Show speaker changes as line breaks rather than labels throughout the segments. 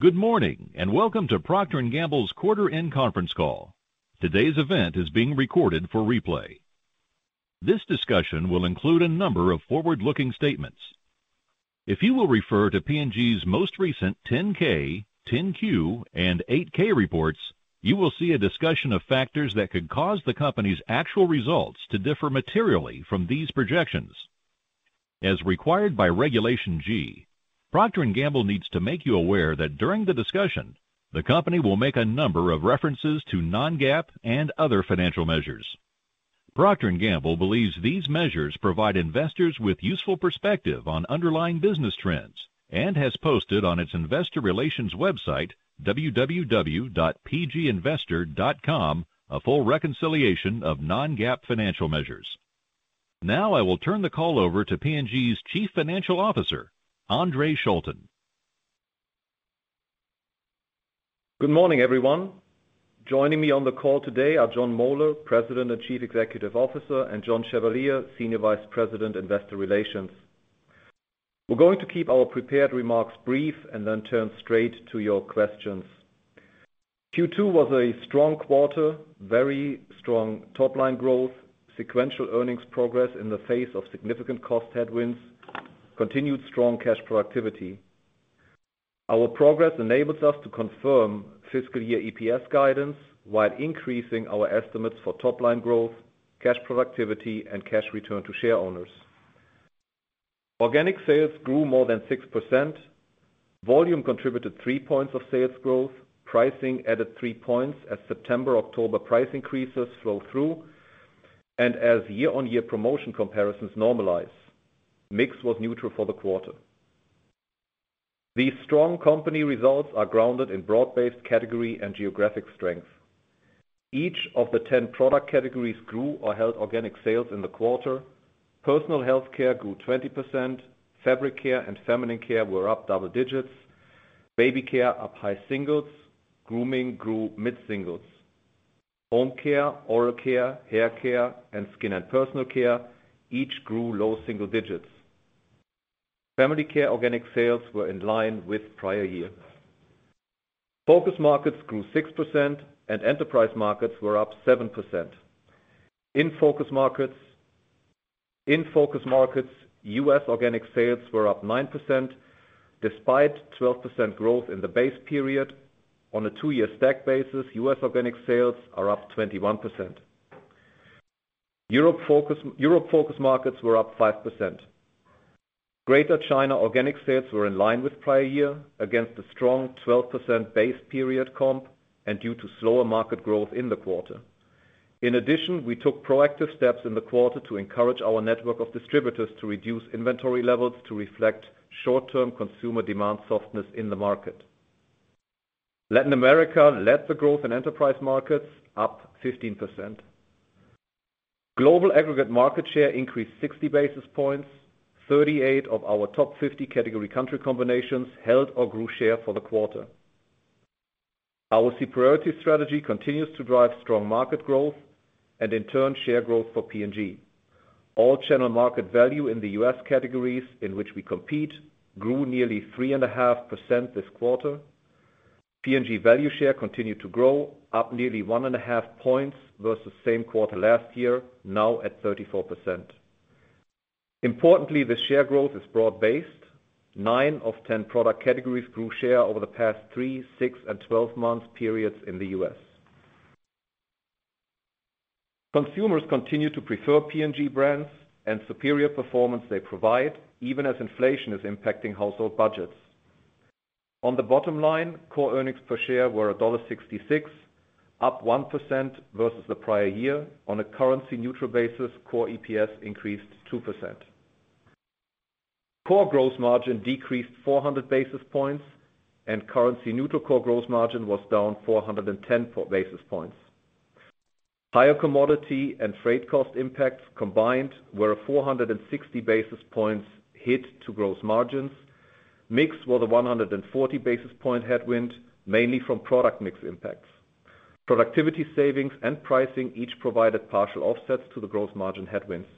Good morning, and welcome to Procter & Gamble's quarter end conference call. Today's event is being recorded for replay. This discussion will include a number of forward-looking statements. If you will refer to P&G's most recent 10-K, 10-Q, and 8-K reports, you will see a discussion of factors that could cause the company's actual results to differ materially from these projections. As required by Regulation G, Procter & Gamble needs to make you aware that during the discussion, the company will make a number of references to non-GAAP and other financial measures. Procter & Gamble believes these measures provide investors with useful perspective on underlying business trends, and has posted on its investor relations website, www.pginvestor.com, a full reconciliation of non-GAAP financial measures. Now I will turn the call over to P&G's Chief Financial Officer, Andre Schulten.
Good morning, everyone. Joining me on the call today are Jon Moeller, President and Chief Executive Officer, and John Chevalier, Senior Vice President, Investor Relations. We're going to keep our prepared remarks brief and then turn straight to your questions. Q2 was a strong quarter, very strong top line growth, sequential earnings progress in the face of significant cost headwinds, continued strong cash productivity. Our progress enables us to confirm fiscal year EPS guidance while increasing our estimates for top line growth, cash productivity, and cash return to shareowners. Organic sales grew more than 6%. Volume contributed three points of sales growth. Pricing added three points as September-October price increases flow through, and as year-on-year promotion comparisons normalize. Mix was neutral for the quarter. These strong company results are grounded in broad-based category and geographic strength. Each of the 10 product categories grew or held organic sales in the quarter. Personal Health Care grew 20%. Fabric Care and Feminine Care were up double digits. Baby Care up high singles. Grooming grew mid-singles. Home Care, Oral Care, Hair Care, and Skin and Personal Care each grew low single digits. Family Care organic sales were in line with prior year. Focus Markets grew 6%, and Enterprise Markets were up 7%. In Focus Markets, U.S. organic sales were up 9% despite 12% growth in the base period. On a two-year stack basis, U.S. organic sales are up 21%. Europe Focus Markets were up 5%. Greater China organic sales were in line with prior year against a strong 12% base period comp and due to slower market growth in the quarter. In addition, we took proactive steps in the quarter to encourage our network of distributors to reduce inventory levels to reflect short-term consumer demand softness in the market. Latin America led the growth in enterprise markets, up 15%. Global aggregate market share increased 60 basis points. 38 of our top 50 category country combinations held or grew share for the quarter. Our superiority strategy continues to drive strong market growth and in turn, share growth for P&G. All channel market value in the U.S. categories in which we compete grew nearly 3.5% this quarter. P&G value share continued to grow, up nearly 1.5 points versus same quarter last year, now at 34%. Importantly, the share growth is broad-based. Nine of 10 product categories grew share over the past three, six, and 12-month periods in the U.S. Consumers continue to prefer P&G brands and superior performance they provide, even as inflation is impacting household budgets. On the bottom line, core earnings per share were $1.66, up 1% versus the prior year. On a currency neutral basis, core EPS increased 2%. Core gross margin decreased 400 basis points, and currency neutral core gross margin was down 410 basis points. Higher commodity and freight cost impacts combined were a 460 basis points hit to gross margins. Mix was a 140 basis point headwind, mainly from product mix impacts. Productivity savings and pricing each provided partial offsets to the gross margin headwinds.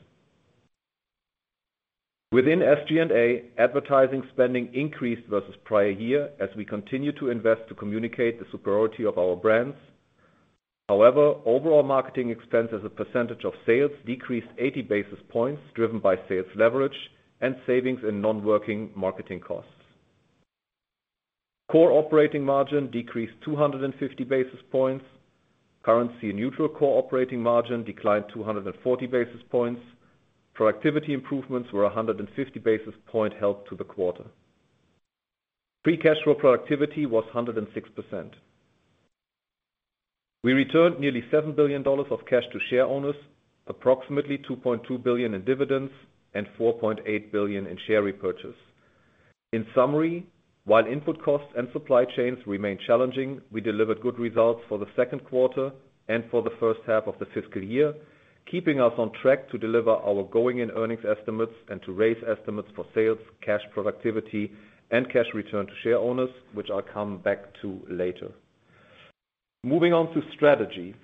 Within SG&A, advertising spending increased versus prior year as we continue to invest to communicate the superiority of our brands. However, overall marketing expense as a percentage of sales decreased 80 basis points, driven by sales leverage and savings in non-working marketing costs. Core operating margin decreased 250 basis points. Currency neutral core operating margin declined 240 basis points. Productivity improvements were 150 basis points help to the quarter. Free cash flow productivity was 106%. We returned nearly $7 billion of cash to shareowners, approximately $2.2 billion in dividends and $4.8 billion in share repurchase. In summary, while input costs and supply chains remain challenging, we delivered good results for the second quarter and for the first half of the fiscal year, keeping us on track to deliver our organic sales and earnings estimates and to raise estimates for sales, cash productivity, and cash return to shareowners, which I'll come back to later. Moving on to strategy.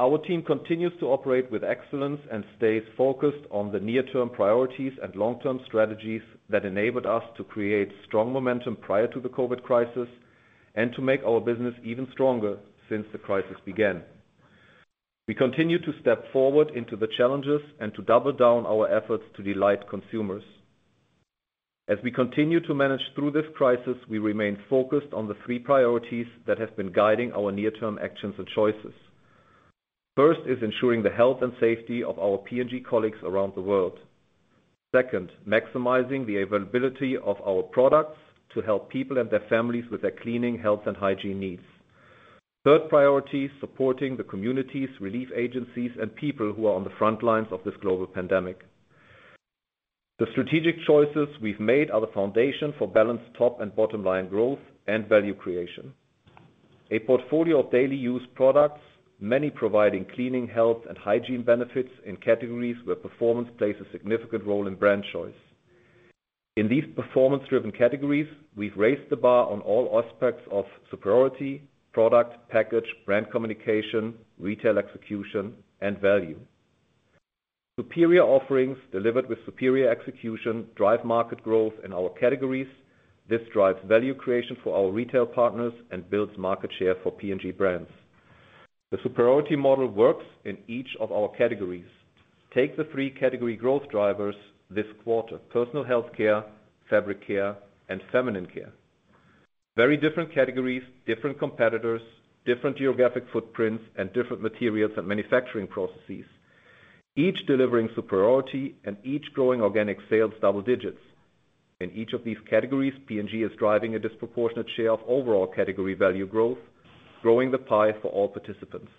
Our team continues to operate with excellence and stays focused on the near-term priorities and long-term strategies that enabled us to create strong momentum prior to the COVID crisis, and to make our business even stronger since the crisis began. We continue to step forward into the challenges and to double down on our efforts to delight consumers. As we continue to manage through this crisis, we remain focused on the three priorities that have been guiding our near-term actions and choices. First is ensuring the health and safety of our P&G colleagues around the world. Second, maximizing the availability of our products to help people and their families with their cleaning, health, and hygiene needs. Third priority, supporting the communities, relief agencies, and people who are on the front lines of this global pandemic. The strategic choices we've made are the foundation for balanced top and bottom line growth and value creation. A portfolio of daily use products, many providing cleaning, health and hygiene benefits in categories where performance plays a significant role in brand choice. In these performance-driven categories, we've raised the bar on all aspects of superiority, product, package, brand communication, retail execution, and value. Superior offerings delivered with superior execution drive market growth in our categories. This drives value creation for our retail partners and builds market share for P&G brands. The superiority model works in each of our categories. Take the three category growth drivers this quarter, personal health care, fabric care, and feminine care. Very different categories, different competitors, different geographic footprints, and different materials and manufacturing processes. Each delivering superiority and each growing organic sales double digits. In each of these categories, P&G is driving a disproportionate share of overall category value growth, growing the pie for all participants.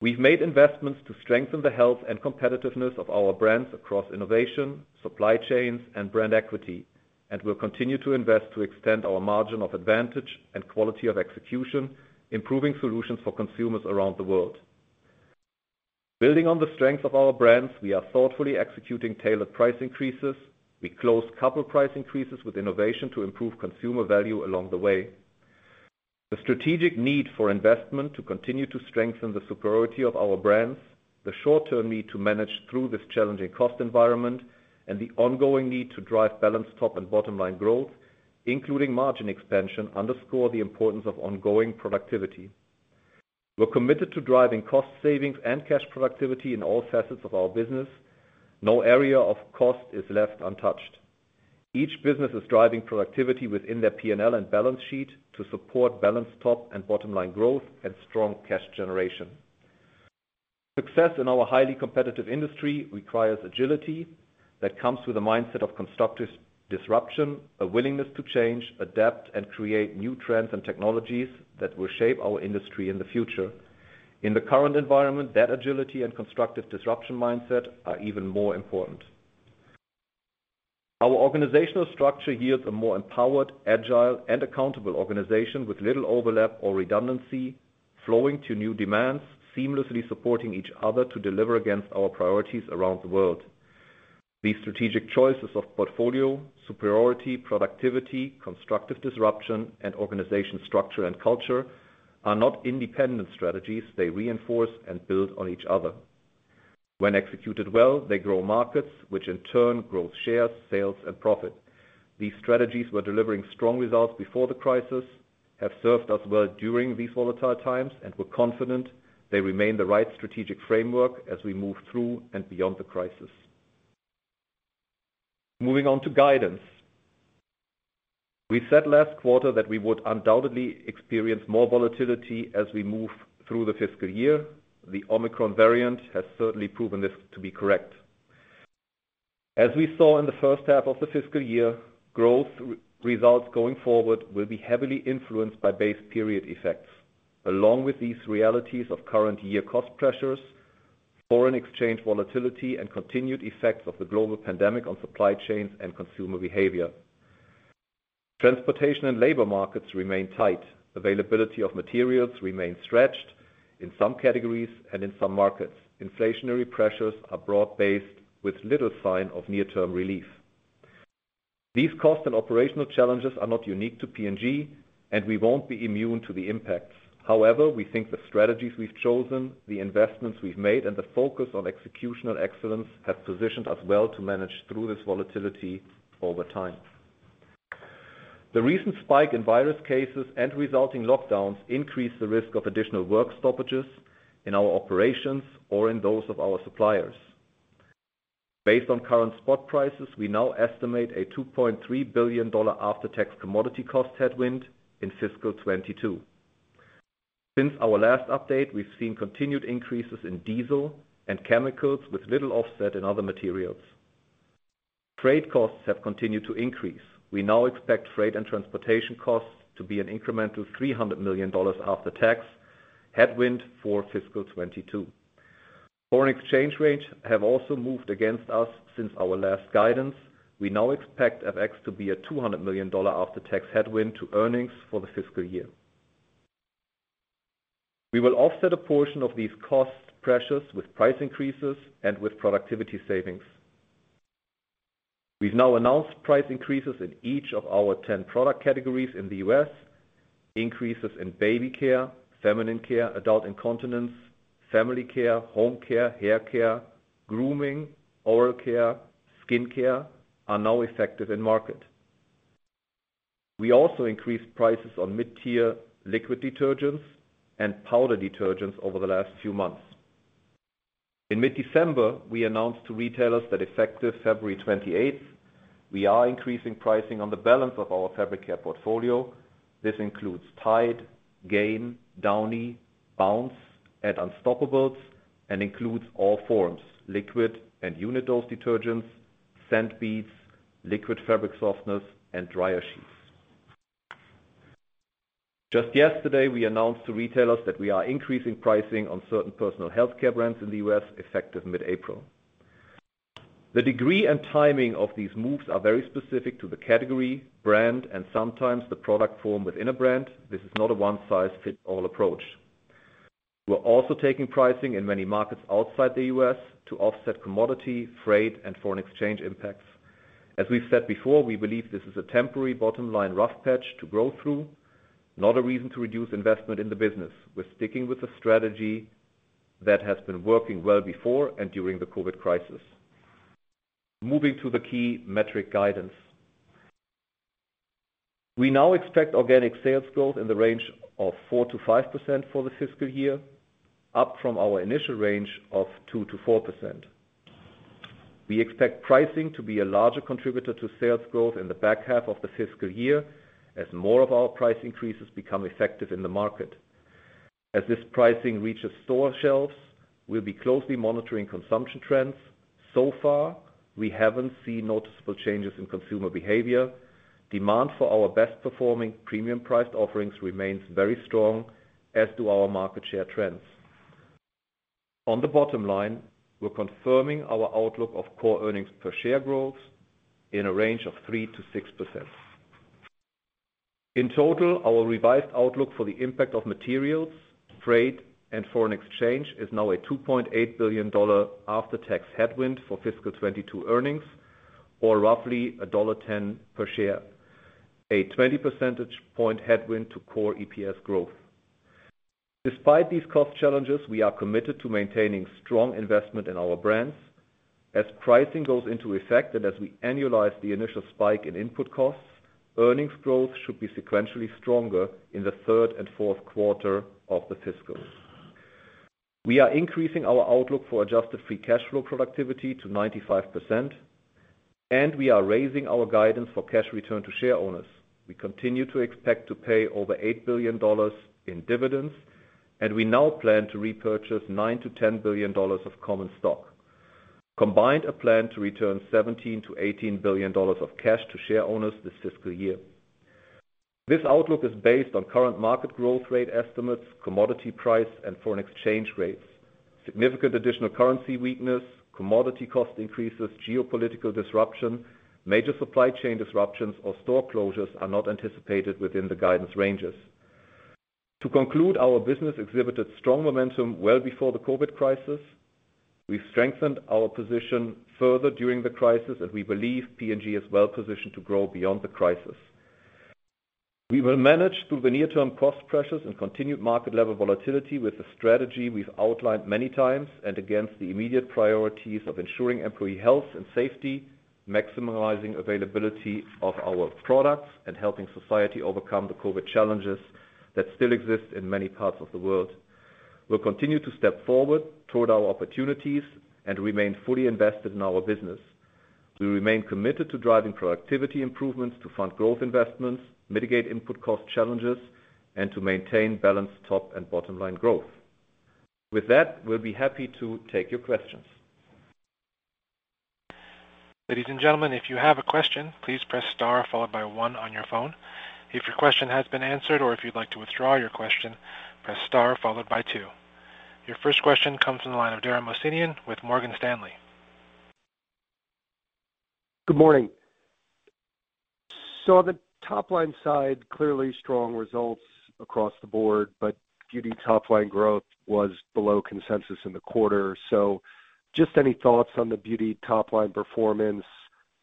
We've made investments to strengthen the health and competitiveness of our brands across innovation, supply chains, and brand equity, and will continue to invest to extend our margin of advantage and quality of execution, improving solutions for consumers around the world. Building on the strength of our brands, we are thoughtfully executing tailored price increases. We closely couple price increases with innovation to improve consumer value along the way. The strategic need for investment to continue to strengthen the superiority of our brands, the short term need to manage through this challenging cost environment, and the ongoing need to drive balanced top and bottom line growth, including margin expansion, underscore the importance of ongoing productivity. We're committed to driving cost savings and cash productivity in all facets of our business. No area of cost is left untouched. Each business is driving productivity within their P&L and balance sheet to support balanced top and bottom line growth and strong cash generation. Success in our highly competitive industry requires agility that comes with a mindset of constructive disruption, a willingness to change, adapt, and create new trends and technologies that will shape our industry in the future. In the current environment, that agility and constructive disruption mindset are even more important. Our organizational structure yields a more empowered, agile, and accountable organization with little overlap or redundancy, flowing to new demands, seamlessly supporting each other to deliver against our priorities around the world. These strategic choices of portfolio, superiority, productivity, constructive disruption, and organizational structure and culture are not independent strategies. They reinforce and build on each other. When executed well, they grow markets, which in turn grows shares, sales, and profit. These strategies were delivering strong results before the crisis, have served us well during these volatile times, and we're confident they remain the right strategic framework as we move through and beyond the crisis. Moving on to guidance. We said last quarter that we would undoubtedly experience more volatility as we move through the fiscal year. The Omicron variant has certainly proven this to be correct. As we saw in the first half of the fiscal year, growth results going forward will be heavily influenced by base period effects, along with these realities of current year cost pressures, foreign exchange volatility, and continued effects of the global pandemic on supply chains and consumer behavior. Transportation and labor markets remain tight. Availability of materials remains stretched in some categories and in some markets. Inflationary pressures are broad-based with little sign of near-term relief. These cost and operational challenges are not unique to P&G, and we won't be immune to the impacts. However, we think the strategies we've chosen, the investments we've made, and the focus on executional excellence have positioned us well to manage through this volatility over time. The recent spike in virus cases and resulting lockdowns increase the risk of additional work stoppages in our operations or in those of our suppliers. Based on current spot prices, we now estimate a $2.3 billion after-tax commodity cost headwind in fiscal 2022. Since our last update, we've seen continued increases in diesel and chemicals with little offset in other materials. Trade costs have continued to increase. We now expect freight and transportation costs to be an incremental $300 million after-tax headwind for fiscal 2022. Foreign exchange rates have also moved against us since our last guidance. We now expect FX to be a $200 million after-tax headwind to earnings for the fiscal year. We will offset a portion of these cost pressures with price increases and with productivity savings. We've now announced price increases in each of our 10 product categories in the U.S. Increases in Baby Care, Feminine Care, Adult Incontinence, Family Care, Home Care, Hair Care, Grooming, Oral Care, Skin Care are now effective in the market. We also increased prices on mid-tier liquid detergents and powder detergents over the last few months. In mid-December, we announced to retailers that effective February twenty-eighth, we are increasing pricing on the balance of our Fabric Care portfolio. This includes Tide, Gain, Downy, Bounce, and Unstopables, and includes all forms, liquid and unit dose detergents, scent beads, liquid fabric softeners, and dryer sheets. Just yesterday, we announced to retailers that we are increasing pricing on certain personal healthcare brands in the U.S. effective mid-April. The degree and timing of these moves are very specific to the category, brand, and sometimes the product form within a brand. This is not a one-size-fits-all approach. We're also taking pricing in many markets outside the U.S. to offset commodity, freight, and foreign exchange impacts. As we've said before, we believe this is a temporary bottom-line rough patch to grow through, not a reason to reduce investment in the business. We're sticking with the strategy that has been working well before and during the COVID crisis. Moving to the key metric guidance. We now expect organic sales growth in the range of 4%-5% for the fiscal year, up from our initial range of 2%-4%. We expect pricing to be a larger contributor to sales growth in the back half of the fiscal year as more of our price increases become effective in the market. As this pricing reaches store shelves, we'll be closely monitoring consumption trends. So far, we haven't seen noticeable changes in consumer behavior. Demand for our best-performing premium priced offerings remains very strong, as do our market share trends. On the bottom line, we're confirming our outlook of core earnings per share growth in a range of 3%-6%. In total, our revised outlook for the impact of materials, trade, and foreign exchange is now a $2.8 billion after-tax headwind for fiscal 2022 earnings, or roughly $1.10 per share, a 20 percentage point headwind to core EPS growth. Despite these cost challenges, we are committed to maintaining strong investment in our brands. As pricing goes into effect, and as we annualize the initial spike in input costs, earnings growth should be sequentially stronger in the third and fourth quarter of the fiscal. We are increasing our outlook for adjusted free cash flow productivity to 95%, and we are raising our guidance for cash return to shareowners. We continue to expect to pay over $8 billion in dividends, and we now plan to repurchase $9 billion-$10 billion of common stock. Combined, a plan to return $17 billion-$18 billion of cash to shareowners this fiscal year. This outlook is based on current market growth rate estimates, commodity price, and foreign exchange rates. Significant additional currency weakness, commodity cost increases, geopolitical disruption, major supply chain disruptions or store closures are not anticipated within the guidance ranges. To conclude, our business exhibited strong momentum well before the COVID crisis. We've strengthened our position further during the crisis, and we believe P&G is well-positioned to grow beyond the crisis. We will manage through the near-term cost pressures and continued market-level volatility with the strategy we've outlined many times and against the immediate priorities of ensuring employee health and safety, maximizing availability of our products, and helping society overcome the COVID challenges that still exist in many parts of the world. We'll continue to step forward toward our opportunities and remain fully invested in our business. We remain committed to driving productivity improvements to fund growth investments, mitigate input cost challenges, and to maintain balanced top and bottom line growth. With that, we'll be happy to take your questions.
Ladies and gentlemen, if you have a question, please press star followed by one on your phone. If your question has been answered or if you'd like to withdraw your question, press star followed by two. Your first question comes from the line of Dara Mohsenian with Morgan Stanley.
Good morning. On the top-line side, clearly strong results across the board, but beauty top-line growth was below consensus in the quarter. Just any thoughts on the beauty top-line performance,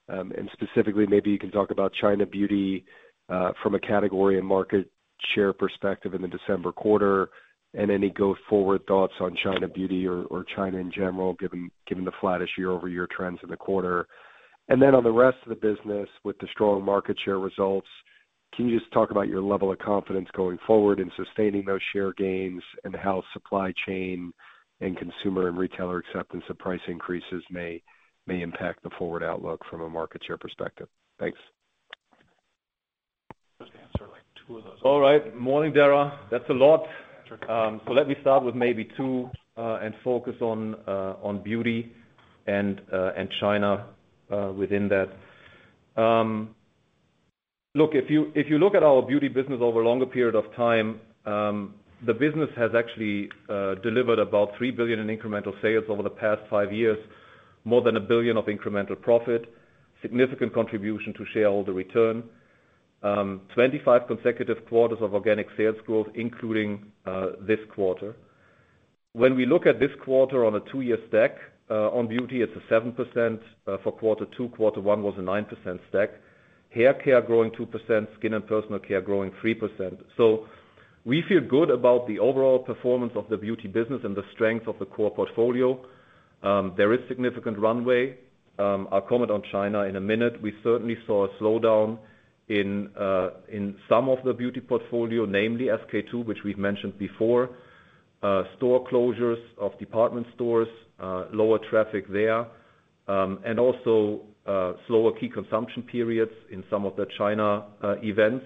and specifically, maybe you can talk about China Beauty from a category and market share perspective in the December quarter, and any go-forward thoughts on China Beauty or China in general, given the flattish year-over-year trends in the quarter. Then on the rest of the business with the strong market share results, can you just talk about your level of confidence going forward in sustaining those share gains and how supply chain and consumer and retailer acceptance of price increases may impact the forward outlook from a market share perspective? Thanks.
Just answer like two of those. All right. Morning, Dara. That's a lot. So let me start with maybe two and focus on beauty and China within that. Look, if you look at our beauty business over a longer period of time, the business has actually delivered about $3 billion in incremental sales over the past five years, more than $1 billion of incremental profit, significant contribution to shareholder return, 25 consecutive quarters of organic sales growth, including this quarter. When we look at this quarter on a two-year stack, on beauty, it's a 7% for quarter two. Quarter one was a 9% stack. Hair care growing 2%, skin and personal care growing 3%. We feel good about the overall performance of the beauty business and the strength of the core portfolio. There is significant runway. I'll comment on China in a minute. We certainly saw a slowdown in some of the beauty portfolio, namely SK-II, which we've mentioned before, store closures of department stores, lower traffic there, and also slower key consumption periods in some of the China events.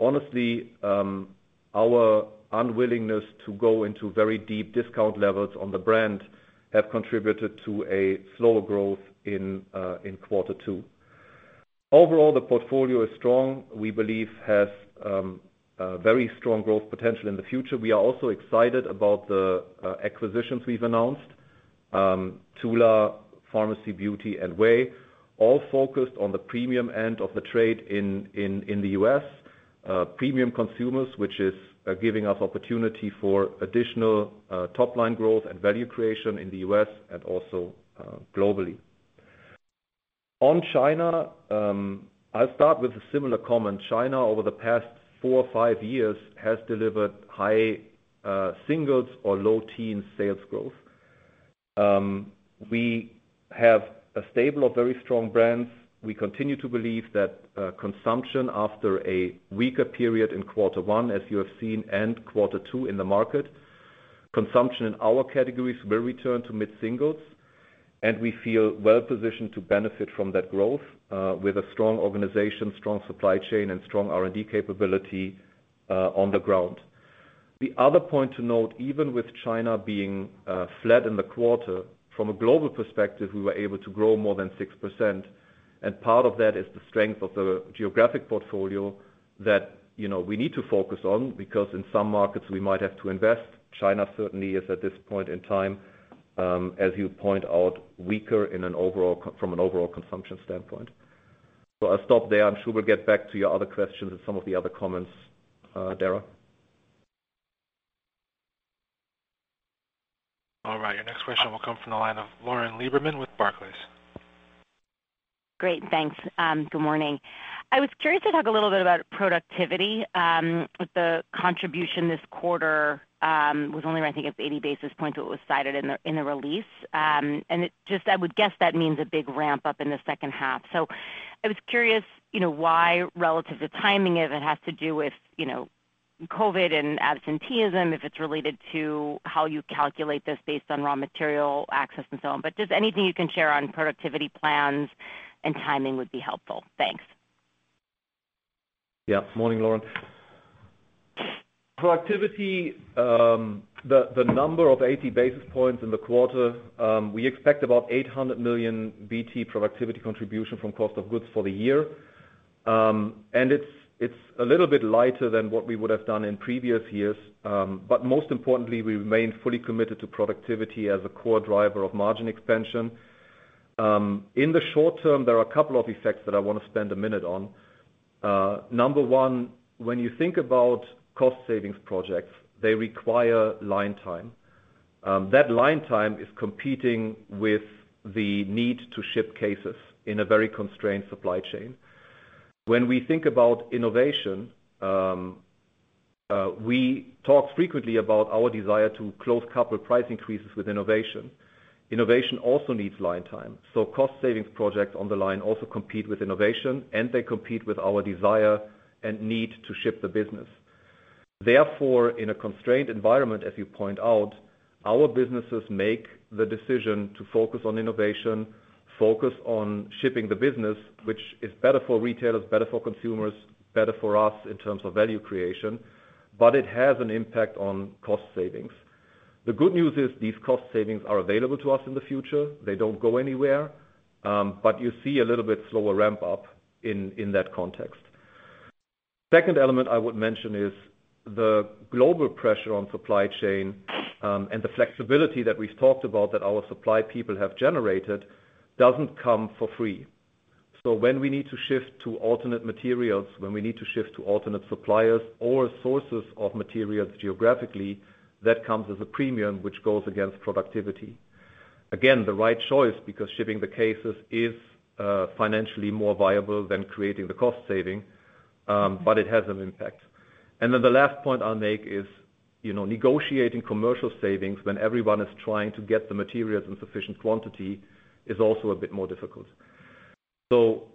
Honestly, our unwillingness to go into very deep discount levels on the brand have contributed to a slower growth in quarter two. Overall, the portfolio is strong, we believe has very strong growth potential in the future. We are also excited about the acquisitions we've announced, TULA, Farmacy Beauty, and OUAI, all focused on the premium end of the trade in the U.S., premium consumers, which is giving us opportunity for additional top-line growth and value creation in the U.S. and also globally. On China, I'll start with a similar comment. China, over the past four or five years, has delivered high singles or low teen sales growth. We have a stable of very strong brands. We continue to believe that consumption after a weaker period in quarter one, as you have seen, and quarter two in the market, consumption in our categories will return to mid-singles, and we feel well-positioned to benefit from that growth with a strong organization, strong supply chain, and strong R&D capability on the ground. The other point to note, even with China being flat in the quarter, from a global perspective, we were able to grow more than 6%. Part of that is the strength of the geographic portfolio that, you know, we need to focus on because in some markets, we might have to invest. China certainly is, at this point in time, as you point out, weaker from an overall consumption standpoint. I'll stop there. I'm sure we'll get back to your other questions and some of the other comments, Dara.
All right. Your next question will come from the line of Lauren Lieberman with Barclays.
Great. Thanks. Good morning. I was curious to talk a little bit about productivity, with the contribution this quarter was only, I think, it's 80 basis points what was cited in the release. It just I would guess that means a big ramp-up in the second half. I was curious, you know, why relative to timing, if it has to do with, you know, COVID and absenteeism, if it's related to how you calculate this based on raw material access and so on. Just anything you can share on productivity plans and timing would be helpful. Thanks.
Morning, Lauren. Productivity, the number of 80 basis points in the quarter, we expect about $800 million BT productivity contribution from cost of goods for the year. It's a little bit lighter than what we would have done in previous years, but most importantly, we remain fully committed to productivity as a core driver of margin expansion. In the short term, there are a couple of effects that I wanna spend a minute on. Number one, when you think about cost savings projects, they require line time. That line time is competing with the need to ship cases in a very constrained supply chain. When we think about innovation, we talk frequently about our desire to closely couple price increases with innovation. Innovation also needs line time. Cost savings projects on the line also compete with innovation, and they compete with our desire and need to ship the business. Therefore, in a constrained environment, as you point out, our businesses make the decision to focus on innovation, focus on shipping the business, which is better for retailers, better for consumers, better for us in terms of value creation, but it has an impact on cost savings. The good news is these cost savings are available to us in the future. They don't go anywhere, but you see a little bit slower ramp-up in that context. Second element I would mention is the global pressure on supply chain, and the flexibility that we've talked about that our supply people have generated doesn't come for free. When we need to shift to alternate materials, when we need to shift to alternate suppliers or sources of materials geographically, that comes as a premium, which goes against productivity. Again, the right choice because shipping the cases is, financially more viable than creating the cost saving, but it has an impact. Then the last point I'll make is, you know, negotiating commercial savings when everyone is trying to get the materials in sufficient quantity is also a bit more difficult.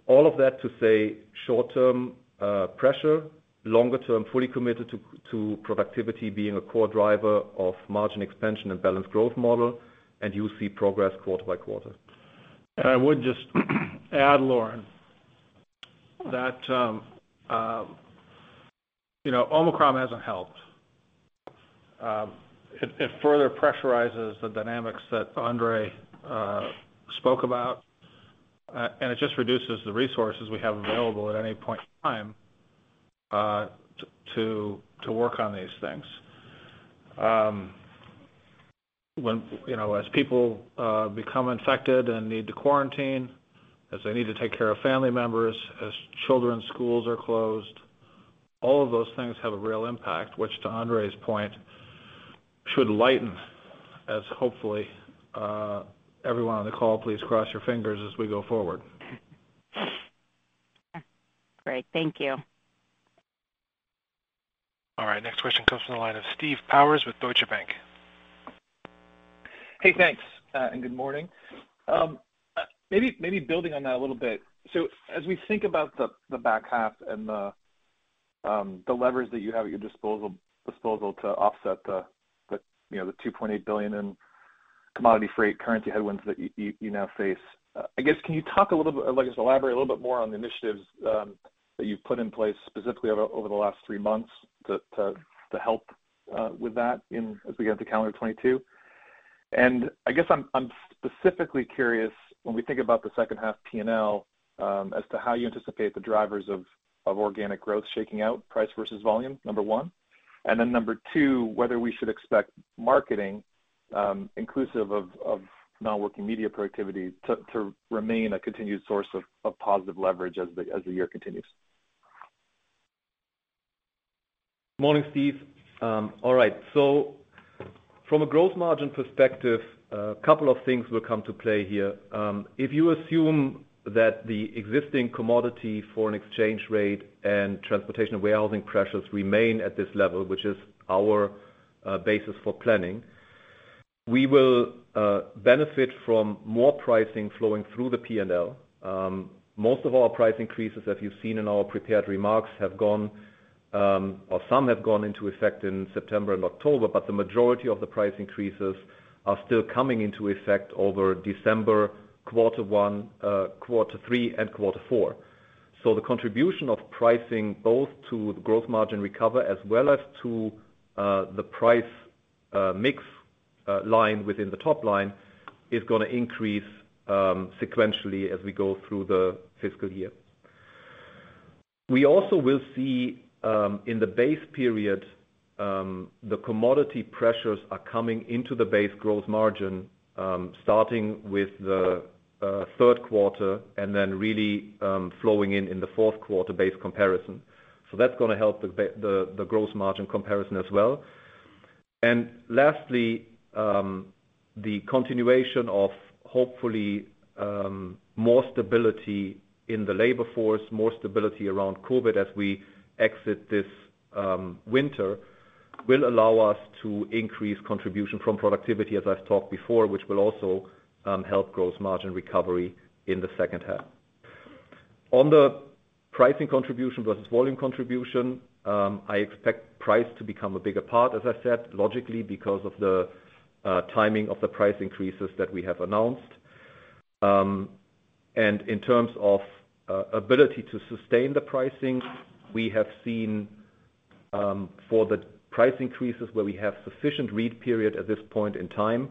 All of that to say short-term, pressure, longer term, fully committed to productivity being a core driver of margin expansion and balanced growth model, and you'll see progress quarter by quarter.
I would just add, Lauren, that, you know, Omicron hasn't helped. It further pressurizes the dynamics that Andre spoke about, and it just reduces the resources we have available at any point in time, to work on these things. When, you know, as people become infected and need to quarantine, as they need to take care of family members, as children's schools are closed, all of those things have a real impact, which to Andre's point, should lighten as hopefully, everyone on the call, please cross your fingers as we go forward.
Great. Thank you.
All right, next question comes from the line of Steve Powers with Deutsche Bank.
Hey, thanks and good morning. Maybe building on that a little bit. As we think about the back half and the leverage that you have at your disposal to offset the, you know, the $2.8 billion in commodity freight currency headwinds that you now face, I guess, can you talk a little bit, I'd like you to elaborate a little bit more on the initiatives that you've put in place specifically over the last three months to help with that in, as we get into calendar 2022. I guess I'm specifically curious when we think about the second half P&L, as to how you anticipate the drivers of organic growth shaking out price versus volume, number one. Number two, whether we should expect marketing, inclusive of non-working media productivity to remain a continued source of positive leverage as the year continues.
Morning, Stephen. All right. From a growth margin perspective, a couple of things will come to play here. If you assume that the existing commodity foreign exchange rate and transportation warehousing pressures remain at this level, which is our basis for planning, we will benefit from more pricing flowing through the P&L. Most of our price increases, as you've seen in our prepared remarks, have gone, or some have gone into effect in September and October, but the majority of the price increases are still coming into effect over December, quarter one, quarter three, and quarter four. The contribution of pricing both to the growth margin recover as well as to the price mix line within the top line is gonna increase sequentially as we go through the fiscal year. We also will see in the base period the commodity pressures are coming into the base growth margin starting with the third quarter and then really flowing in in the fourth quarter base comparison. That's gonna help the growth margin comparison as well. Lastly, the continuation of hopefully more stability in the labor force, more stability around COVID as we exit this winter, will allow us to increase contribution from productivity as I've talked before, which will also help growth margin recovery in the second half. On the pricing contribution versus volume contribution, I expect price to become a bigger part, as I said, logically because of the timing of the price increases that we have announced. In terms of ability to sustain the pricing, we have seen, for the price increases where we have sufficient lead period at this point in time,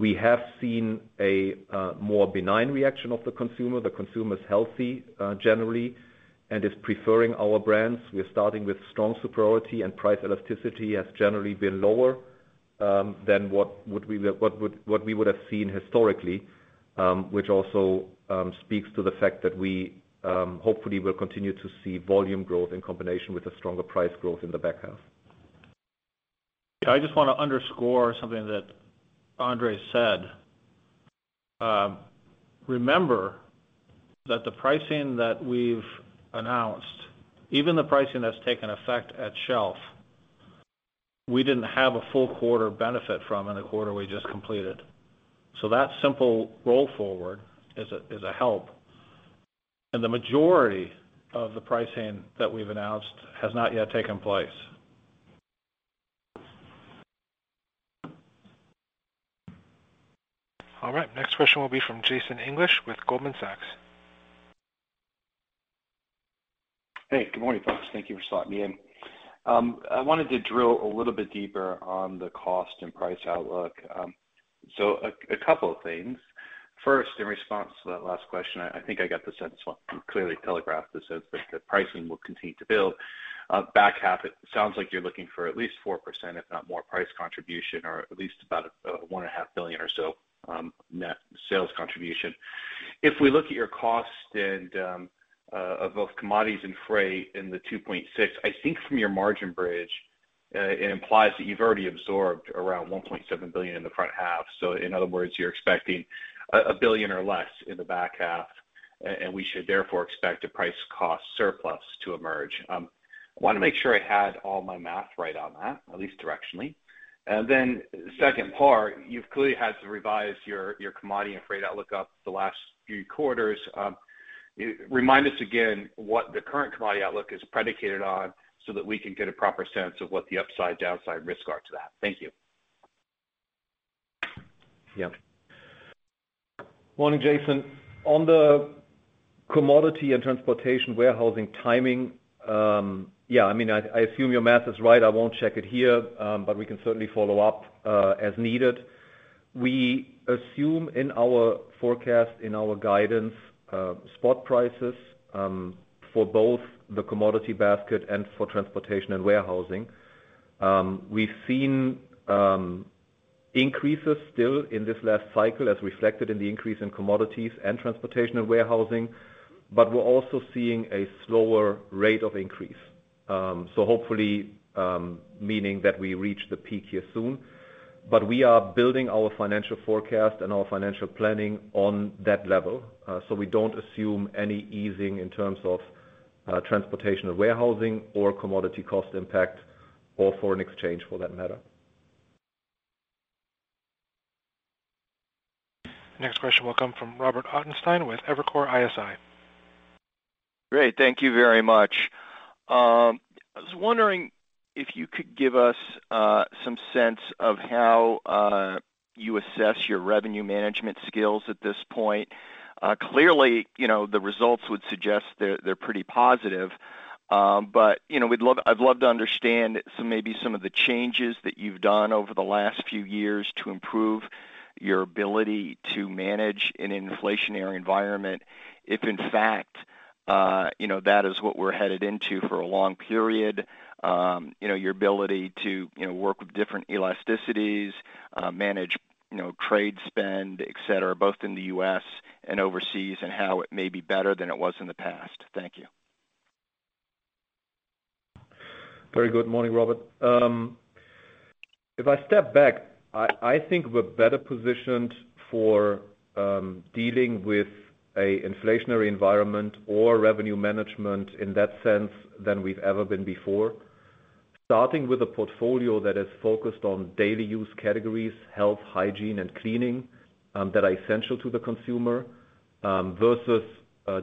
a more benign reaction of the consumer. The consumer is healthy, generally, and is preferring our brands. We're starting with strong superiority and price elasticity has generally been lower than what we would have seen historically, which also speaks to the fact that we hopefully will continue to see volume growth in combination with a stronger price growth in the back half.
I just wanna underscore something that Andre said. Remember that the pricing that we've announced, even the pricing that's taken effect at shelf, we didn't have a full quarter benefit from in the quarter we just completed. That simple roll forward is a help. The majority of the pricing that we've announced has not yet taken place.
All right, next question will be from Jason English with Goldman Sachs.
Hey, good morning, folks. Thank you for slotting me in. I wanted to drill a little bit deeper on the cost and price outlook. A couple of things. First, in response to that last question, I think I got the sense, well, clearly telegraphed this as the pricing will continue to build. Back half, it sounds like you're looking for at least 4%, if not more price contribution, or at least about $1.5 billion or so net sales contribution. If we look at your cost and of both commodities and freight in the 2.6, I think from your margin bridge, it implies that you've already absorbed around $1.7 billion in the front half. In other words, you're expecting $1 billion or less in the back half, and we should therefore expect a price cost surplus to emerge. I wanna make sure I had all my math right on that, at least directionally. Then second part, you've clearly had to revise your commodity and freight outlook up the last few quarters. Remind us again what the current commodity outlook is predicated on so that we can get a proper sense of what the upside, downside risks are to that. Thank you.
Yeah. Morning, Jason. On the commodity and transportation warehousing timing, yeah, I mean, I assume your math is right. I won't check it here, but we can certainly follow up, as needed. We assume in our forecast, in our guidance, spot prices, for both the commodity basket and for transportation and warehousing. We've seen increases still in this last cycle as reflected in the increase in commodities and transportation and warehousing, but we're also seeing a slower rate of increase. Hopefully, meaning that we reach the peak here soon. We are building our financial forecast and our financial planning on that level. We don't assume any easing in terms of, transportation and warehousing or commodity cost impact or foreign exchange for that matter.
Next question will come from Robert Ottenstein with Evercore ISI.
Great. Thank you very much. I was wondering if you could give us some sense of how you assess your revenue management skills at this point. Clearly, you know, the results would suggest they're pretty positive. You know, we'd love, I'd love to understand some, maybe some of the changes that you've done over the last few years to improve your ability to manage an inflationary environment, if in fact, you know, that is what we're headed into for a long period. You know, your ability to, you know, work with different elasticities, manage, you know, trade spend, et cetera, both in the U.S. and overseas, and how it may be better than it was in the past. Thank you.
Very good morning, Robert. If I step back, I think we're better positioned for dealing with an inflationary environment or revenue management in that sense than we've ever been before. Starting with a portfolio that is focused on daily use categories, health, hygiene, and cleaning that are essential to the consumer versus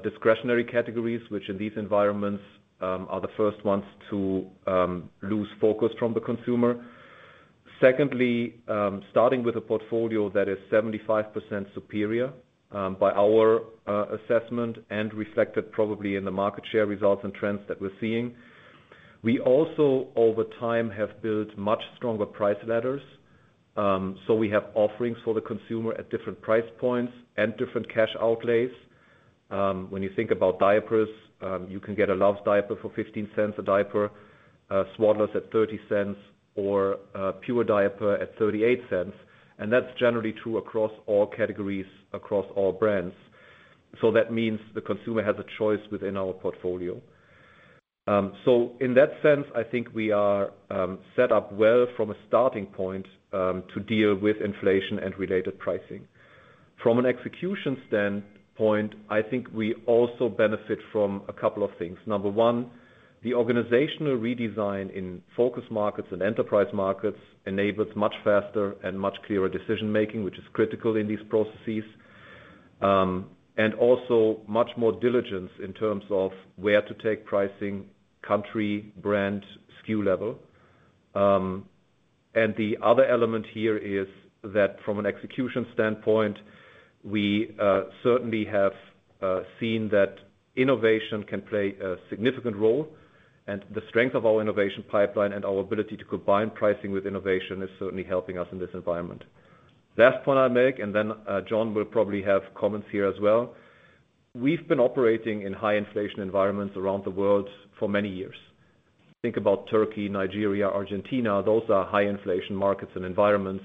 discretionary categories, which in these environments are the first ones to lose focus from the consumer. Secondly, starting with a portfolio that is 75% superior by our assessment and reflected probably in the market share results and trends that we're seeing. We also, over time, have built much stronger price ladders. We have offerings for the consumer at different price points and different cash outlays. When you think about diapers, you can get a Luvs diaper for $0.15 a diaper, a Swaddlers at $0.30 or a Pure diaper at $0.38. That's generally true across all categories, across all brands. That means the consumer has a choice within our portfolio. In that sense, I think we are set up well from a starting point to deal with inflation and related pricing. From an execution standpoint, I think we also benefit from a couple of things. Number one, the organizational redesign in focus markets and enterprise markets enables much faster and much clearer decision-making, which is critical in these processes. Also much more diligence in terms of where to take pricing, country, brand, SKU level. The other element here is that from an execution standpoint, we certainly have seen that innovation can play a significant role, and the strength of our innovation pipeline and our ability to combine pricing with innovation is certainly helping us in this environment. Last point I'll make, and then Jon will probably have comments here as well. We've been operating in high inflation environments around the world for many years. Think about Turkey, Nigeria, Argentina. Those are high inflation markets and environments.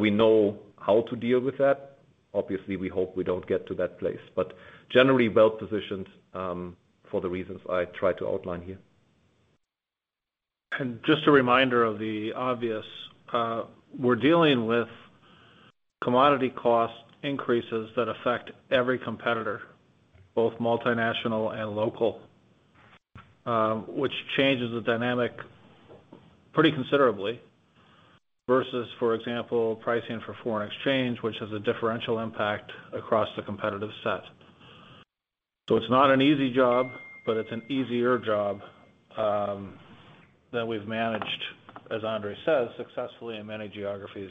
We know how to deal with that. Obviously, we hope we don't get to that place, but generally well-positioned for the reasons I tried to outline here.
Just a reminder of the obvious. We're dealing with commodity cost increases that affect every competitor, both multinational and local, which changes the dynamic pretty considerably versus, for example, pricing for foreign exchange, which has a differential impact across the competitive set. It's not an easy job, but it's an easier job that we've managed, as Andre says, successfully in many geographies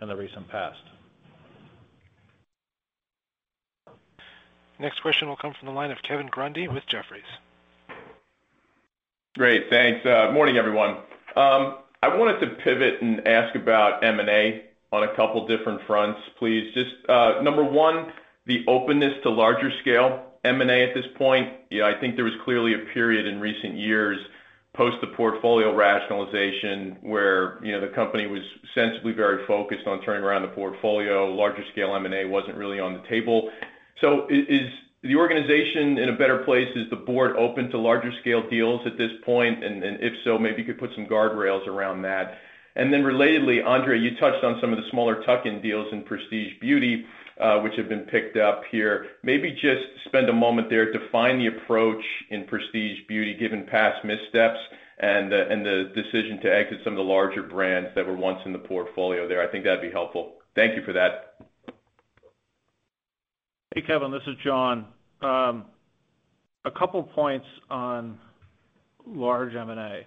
in the recent past.
Next question will come from the line of Kevin Grundy with Jefferies.
Great. Thanks. Morning, everyone. I wanted to pivot and ask about M&A on a couple different fronts, please. Just, number one, the openness to larger scale M&A at this point. You know, I think there was clearly a period in recent years post the portfolio rationalization where, you know, the company was sensibly very focused on turning around the portfolio. Larger scale M&A wasn't really on the table. So is the organization in a better place? Is the board open to larger scale deals at this point? And if so, maybe you could put some guardrails around that. And then relatedly, Andre, you touched on some of the smaller tuck-in deals in Prestige Beauty, which have been picked up here. Maybe just spend a moment there, define the approach in Prestige Beauty given past missteps and the decision to exit some of the larger brands that were once in the portfolio there. I think that'd be helpful. Thank you for that.
Hey, Kevin, this is Jon. A couple points on large M&A.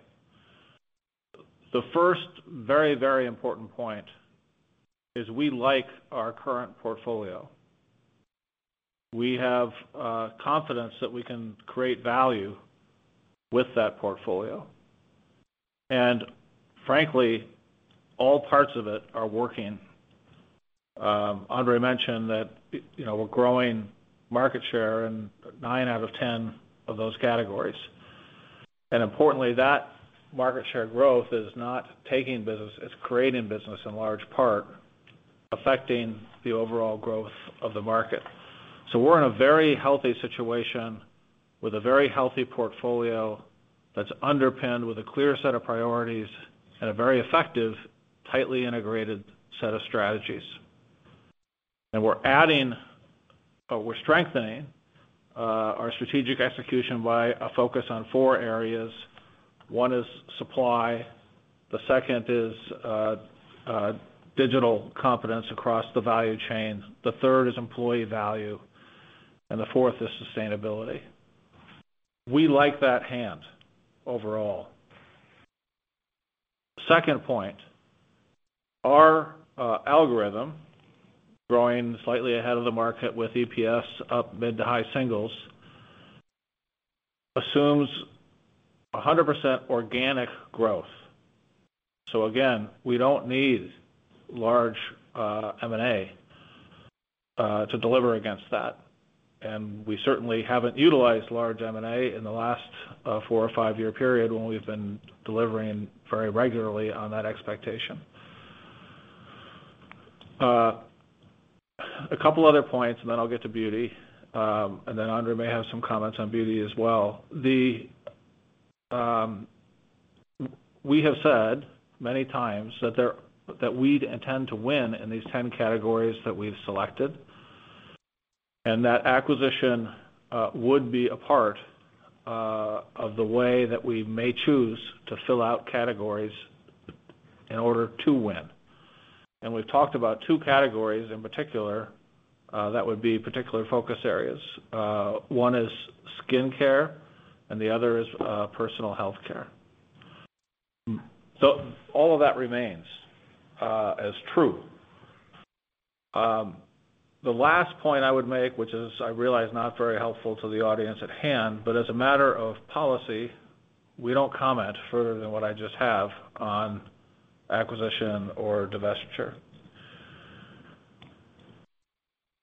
The first very, very important point is we like our current portfolio. We have confidence that we can create value with that portfolio. Frankly, all parts of it are working. Andre mentioned that, you know, we're growing market share in nine out of ten of those categories. Importantly, that market share growth is not taking business, it's creating business in large part, affecting the overall growth of the market. We're in a very healthy situation with a very healthy portfolio that's underpinned with a clear set of priorities and a very effective, tightly integrated set of strategies. We're strengthening our strategic execution by a focus on four areas. One is supply, the second is digital competence across the value chain, the third is employee value, and the fourth is sustainability. We like that plan overall. Second point, our algorithm, growing slightly ahead of the market with EPS up mid- to high-single, assumes 100% organic growth. Again, we don't need large M&A to deliver against that. We certainly haven't utilized large M&A in the last four- or five-year period when we've been delivering very regularly on that expectation. A couple other points and then I'll get to beauty, and then Andre may have some comments on beauty as well. We have said many times that we'd intend to win in these 10 categories that we've selected, and that acquisition would be a part of the way that we may choose to fill out categories in order to win. We've talked about two categories in particular that would be particular focus areas. One is skincare, and the other is personal health care. All of that remains as true. The last point I would make, which is I realize not very helpful to the audience at hand, but as a matter of policy, we don't comment further than what I just have on acquisition or divestiture.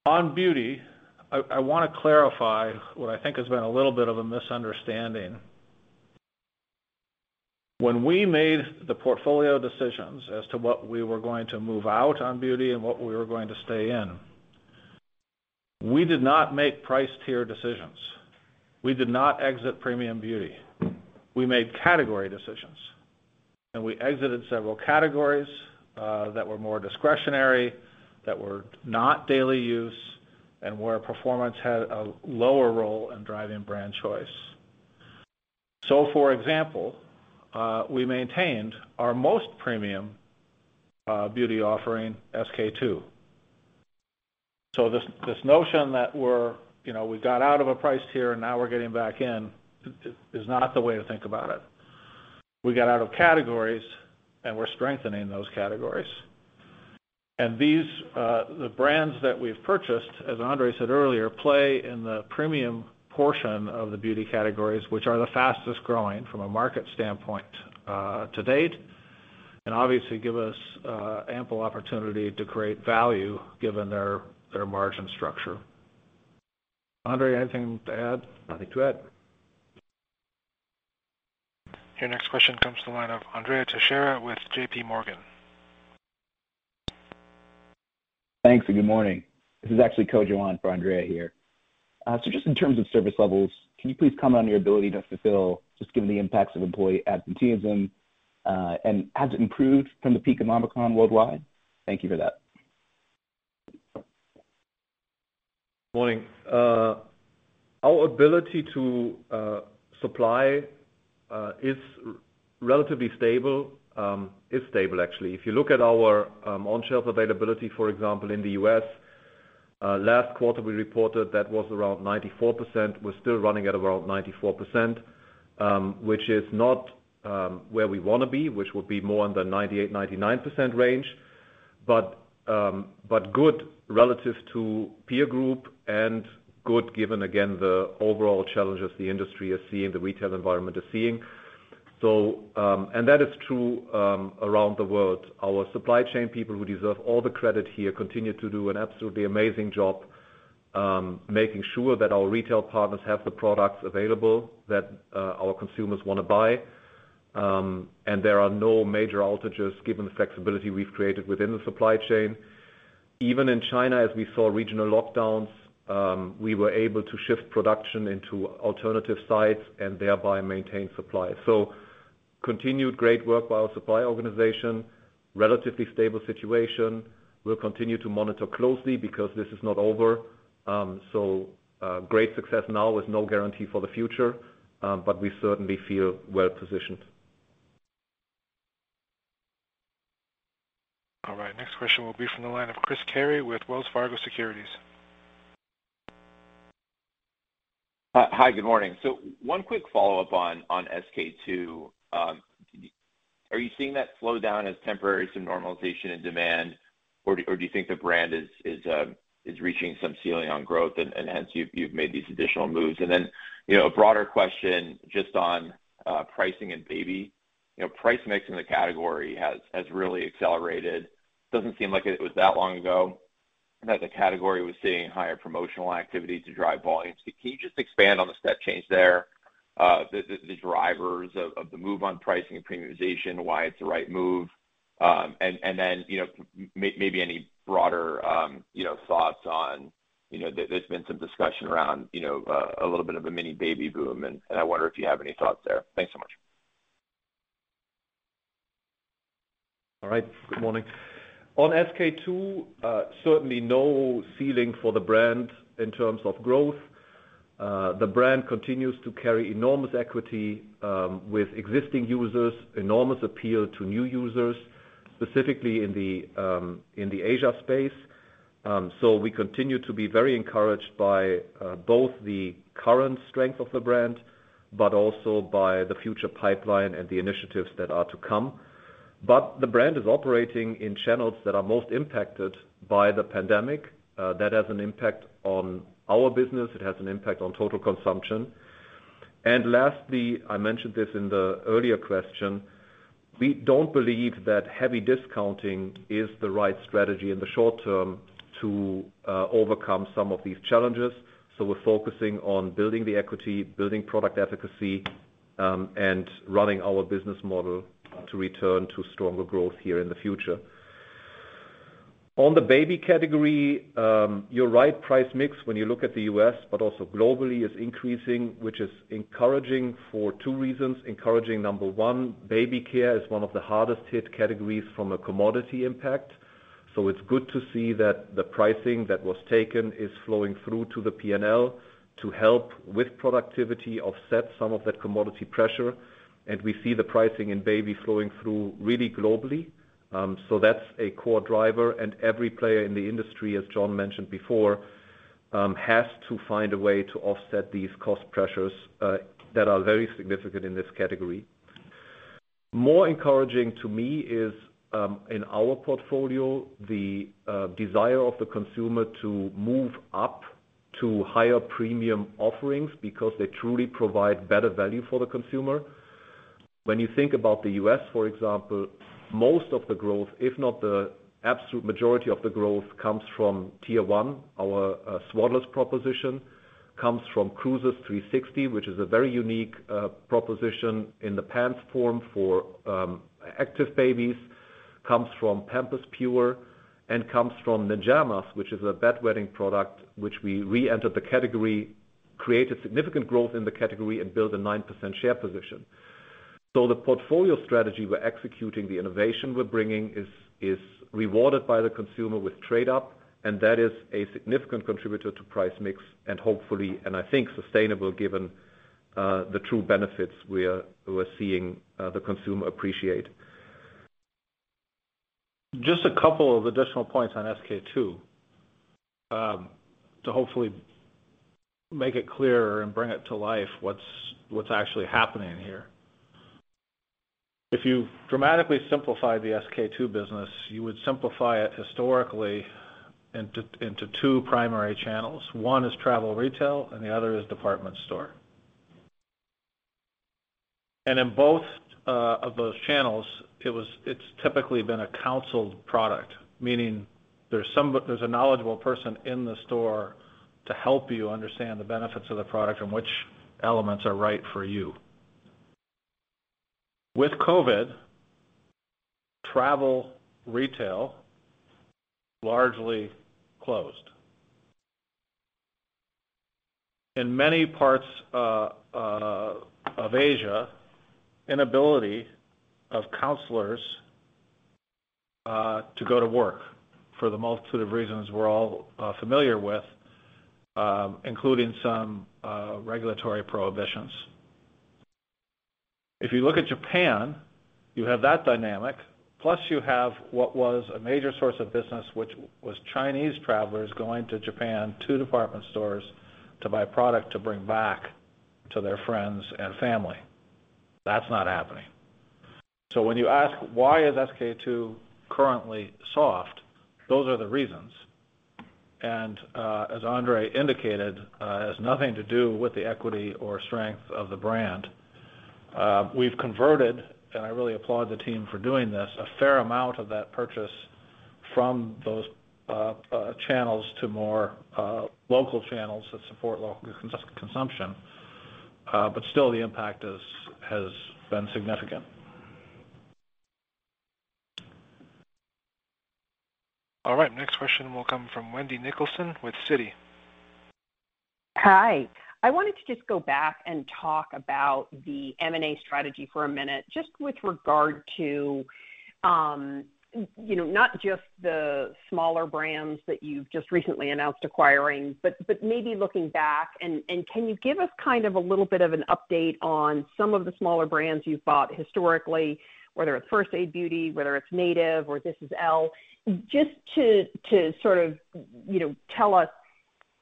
On beauty, I wanna clarify what I think has been a little bit of a misunderstanding. When we made the portfolio decisions as to what we were going to move out on beauty and what we were going to stay in, we did not make price tier decisions. We did not exit premium beauty. We made category decisions, and we exited several categories that were more discretionary, that were not daily use, and where performance had a lower role in driving brand choice. For example, we maintained our most premium beauty offering, SK-II. This notion that we're, you know, we got out of a price tier and now we're getting back in is not the way to think about it. We got out of categories, and we're strengthening those categories. These the brands that we've purchased, as Andre said earlier, play in the premium portion of the beauty categories, which are the fastest-growing from a market standpoint, to date, and obviously give us ample opportunity to create value given their margin structure. Andre, anything to add?
Nothing to add.
Your next question comes to the line of Andrea Teixeira with JPMorgan.
Thanks, good morning. This is actually Kojo for Andrea here. Just in terms of service levels, can you please comment on your ability to fulfill, just given the impacts of employee absenteeism, and has it improved from the peak of Omicron worldwide? Thank you for that.
Morning. Our ability to supply is stable, actually. If you look at our on-shelf availability, for example, in the U.S., last quarter, we reported that was around 94%. We're still running at around 94%, which is not where we wanna be, which would be more in the 98%-99% range. But good relative to peer group and good given, again, the overall challenges the industry is seeing, the retail environment is seeing. That is true around the world. Our supply chain people who deserve all the credit here continue to do an absolutely amazing job, making sure that our retail partners have the products available that our consumers wanna buy. There are no major outages given the flexibility we've created within the supply chain. Even in China, as we saw regional lockdowns, we were able to shift production into alternative sites and thereby maintain supply. Continued great work by our supply organization. Relatively stable situation. We'll continue to monitor closely because this is not over. Great success now is no guarantee for the future, but we certainly feel well-positioned.
All right. Next question will be from the line of Chris Carey with Wells Fargo Securities.
Hi, good morning. One quick follow-up on SK-II. Are you seeing that slow down as temporary some normalization in demand or do you think the brand is reaching some ceiling on growth and hence you've made these additional moves? Then, you know, a broader question just on pricing and Baby. You know, price mix in the category has really accelerated. Doesn't seem like it was that long ago that the category was seeing higher promotional activity to drive volumes. Can you just expand on the step change there? The drivers of the move on pricing and premiumization, why it's the right move? You know, maybe any broader thoughts on, you know, there's been some discussion around, you know, a little bit of a mini baby boom, and I wonder if you have any thoughts there. Thanks so much.
All right. Good morning. On SK-II, certainly no ceiling for the brand in terms of growth. The brand continues to carry enormous equity with existing users, enormous appeal to new users, specifically in the Asia space. We continue to be very encouraged by both the current strength of the brand, but also by the future pipeline and the initiatives that are to come. The brand is operating in channels that are most impacted by the pandemic. That has an impact on our business. It has an impact on total consumption. Lastly, I mentioned this in the earlier question, we don't believe that heavy discounting is the right strategy in the short term to overcome some of these challenges. We're focusing on building the equity, building product efficacy, and running our business model to return to stronger growth here in the future. On the Baby category, you're right, price mix when you look at the U.S., but also globally, is increasing, which is encouraging for two reasons. Encouraging number one, baby care is one of the hardest hit categories from a commodity impact. It's good to see that the pricing that was taken is flowing through to the P&L to help with productivity, offset some of that commodity pressure. We see the pricing in Baby flowing through really globally. That's a core driver. Every player in the industry, as Jon mentioned before, has to find a way to offset these cost pressures, that are very significant in this category. More encouraging to me is, in our portfolio, the desire of the consumer to move up to higher premium offerings because they truly provide better value for the consumer. When you think about the U.S., for example, most of the growth, if not the absolute majority of the growth, comes from tier one. Our Swaddlers proposition comes from Cruisers 360, which is a very unique proposition in the pants form for active babies, comes from Pampers Pure, and comes from Ninjamas, which is a bedwetting product which we reentered the category, created significant growth in the category and built a 9% share position. The portfolio strategy we're executing, the innovation we're bringing is rewarded by the consumer with trade-up, and that is a significant contributor to price mix and hopefully, and I think sustainable given, the true benefits we're seeing, the consumer appreciate.
Just a couple of additional points on SK-II to hopefully make it clearer and bring it to life what's actually happening here. If you dramatically simplify the SK-II business, you would simplify it historically into two primary channels. One is travel retail and the other is department store. In both of those channels, it's typically been a counseled product, meaning there's a knowledgeable person in the store to help you understand the benefits of the product and which elements are right for you. With COVID, travel retail largely closed in many parts of Asia, inability of counselors to go to work for the multitude of reasons we're all familiar with, including some regulatory prohibitions. If you look at Japan, you have that dynamic, plus you have what was a major source of business, which was Chinese travelers going to Japan to department stores to buy product to bring back to their friends and family. That's not happening. When you ask why is SK-II currently soft, those are the reasons. As Andre indicated, it has nothing to do with the equity or strength of the brand. We've converted, and I really applaud the team for doing this, a fair amount of that purchase from those channels to more local channels that support local consumption. Still the impact has been significant.
All right, next question will come from Wendy Nicholson with Citi.
Hi. I wanted to just go back and talk about the M&A strategy for a minute, just with regard to, you know, not just the smaller brands that you've just recently announced acquiring, but maybe looking back and can you give us kind of a little bit of an update on some of the smaller brands you've bought historically, whether it's First Aid Beauty, whether it's Native, or This is L. Just to sort of, you know, tell us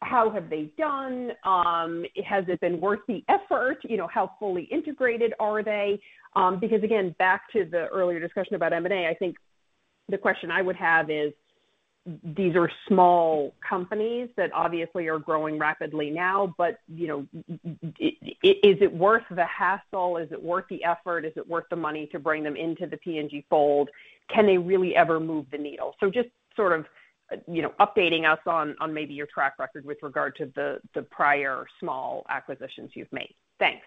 how have they done? Has it been worth the effort? You know, how fully integrated are they? Because again, back to the earlier discussion about M&A, I think the question I would have is these are small companies that obviously are growing rapidly now, but, you know, is it worth the hassle? Is it worth the effort? Is it worth the money to bring them into the P&G fold? Can they really ever move the needle? Just sort of, you know, updating us on maybe your track record with regard to the prior small acquisitions you've made. Thanks.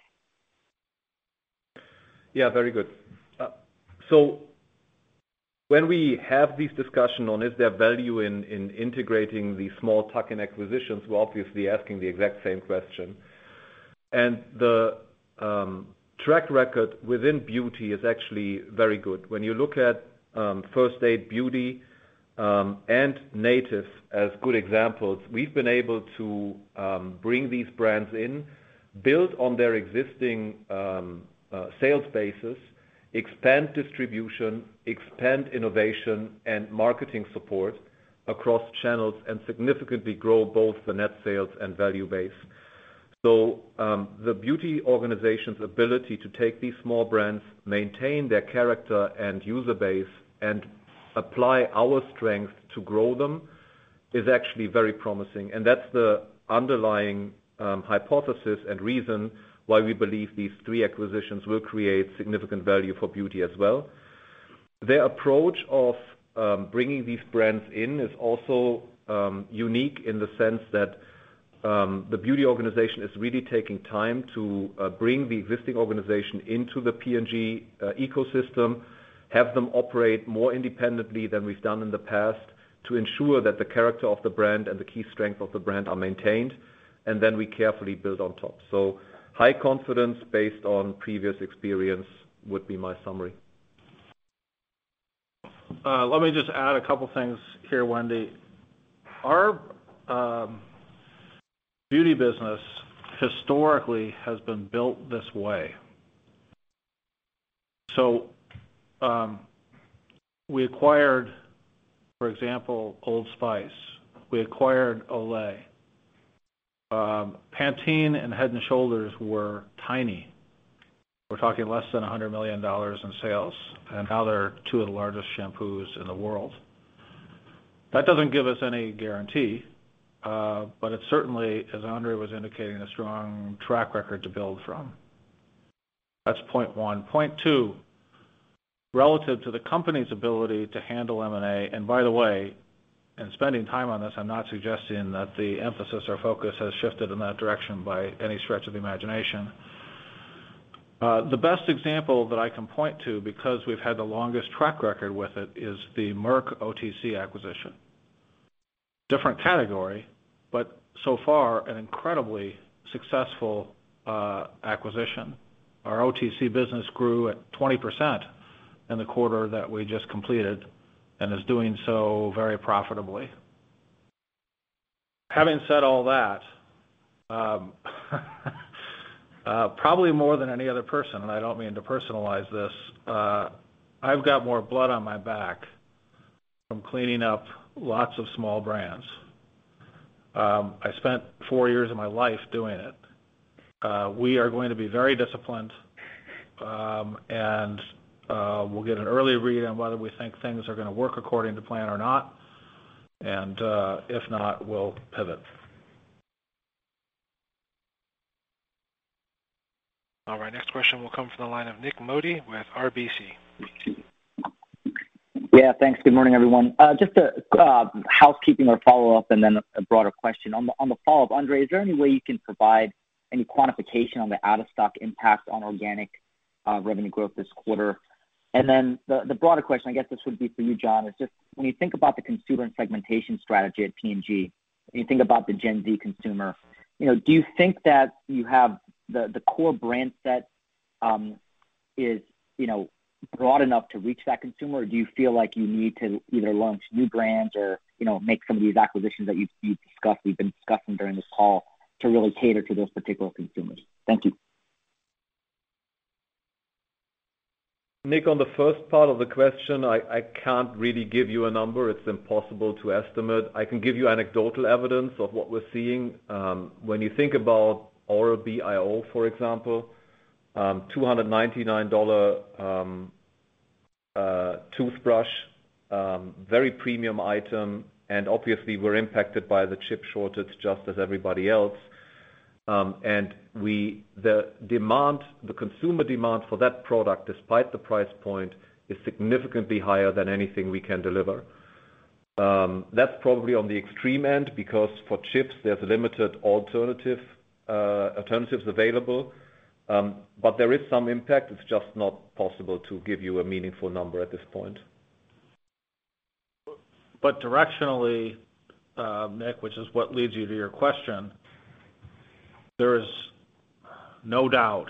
Yeah, very good. When we have these discussions on is there value in integrating these small tuck-in acquisitions, we're obviously asking the exact same question. The track record within Beauty is actually very good. When you look at First Aid Beauty and Native as good examples, we've been able to bring these brands in, build on their existing sales bases, expand distribution, expand innovation and marketing support across channels, and significantly grow both the net sales and value base. The Beauty organization's ability to take these small brands, maintain their character and user base, and apply our strength to grow them, is actually very promising. That's the underlying hypothesis and reason why we believe these three acquisitions will create significant value for Beauty as well. Their approach of bringing these brands in is also unique in the sense that the beauty organization is really taking time to bring the existing organization into the P&G ecosystem, have them operate more independently than we've done in the past to ensure that the character of the brand and the key strength of the brand are maintained, and then we carefully build on top. High confidence based on previous experience would be my summary.
Let me just add a couple things here, Wendy. Our beauty business historically has been built this way. We acquired, for example, Old Spice. We acquired Olay. Pantene and Head & Shoulders were tiny. We're talking less than $100 million in sales, and now they're two of the largest shampoos in the world. That doesn't give us any guarantee, but it's certainly, as Andre was indicating, a strong track record to build from. That's point one. Point two, relative to the company's ability to handle M&A, and by the way, in spending time on this, I'm not suggesting that the emphasis or focus has shifted in that direction by any stretch of the imagination. The best example that I can point to, because we've had the longest track record with it, is the Merck OTC acquisition. Different category, but so far, an incredibly successful acquisition. Our OTC business grew at 20% in the quarter that we just completed, and is doing so very profitably. Having said all that, probably more than any other person, and I don't mean to personalize this, I've got more blood on my back from cleaning up lots of small brands. I spent four years of my life doing it. We are going to be very disciplined, and we'll get an early read on whether we think things are gonna work according to plan or not. If not, we'll pivot.
All right, next question will come from the line of Nik Modi with RBC.
Yeah, thanks. Good morning, everyone. Just a housekeeping or follow-up, and then a broader question. On the follow-up, Andre, is there any way you can provide any quantification on the out-of-stock impact on organic revenue growth this quarter? And then the broader question, I guess this would be for you, Jon, is just when you think about the consumer and segmentation strategy at P&G, when you think about the Gen Z consumer, you know, do you think that you have the core brand set, you know, broad enough to reach that consumer? Or do you feel like you need to either launch new brands or, you know, make some of these acquisitions that you've discussed, we've been discussing during this call to really cater to those particular consumers? Thank you.
Nik, on the first part of the question, I can't really give you a number. It's impossible to estimate. I can give you anecdotal evidence of what we're seeing. When you think about Oral-B iO, for example, $299 toothbrush, very premium item, and obviously we're impacted by the chip shortage just as everybody else. The demand, the consumer demand for that product, despite the price point, is significantly higher than anything we can deliver. That's probably on the extreme end because for chips, there's limited alternatives available. There is some impact. It's just not possible to give you a meaningful number at this point.
Directionally, Nik, which is what leads you to your question, there is no doubt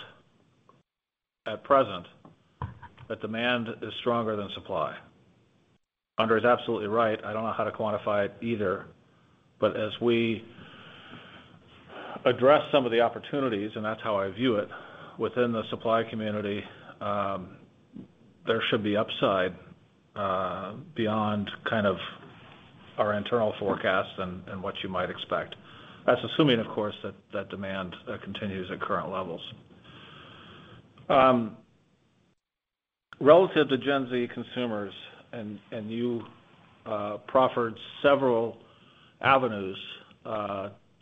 at present that demand is stronger than supply. Andre is absolutely right. I don't know how to quantify it either, but as we Address some of the opportunities, and that's how I view it. Within the supply community, there should be upside beyond kind of our internal forecasts and what you might expect. That's assuming, of course, that demand continues at current levels. Relative to Gen Z consumers and you proffered several avenues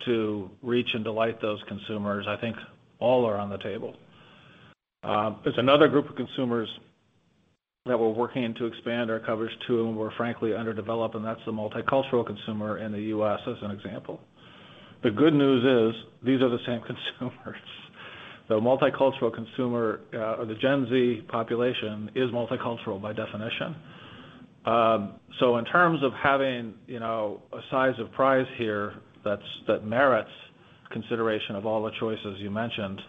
to reach and delight those consumers, I think all are on the table. There's another group of consumers that we're working to expand our coverage to and we're frankly underdeveloped, and that's the multicultural consumer in the U.S., as an example. The good news is these are the same consumers. The multicultural consumer or the Gen Z population is multicultural by definition. In terms of having, you know, a size of prize here that merits consideration of all the choices you mentioned,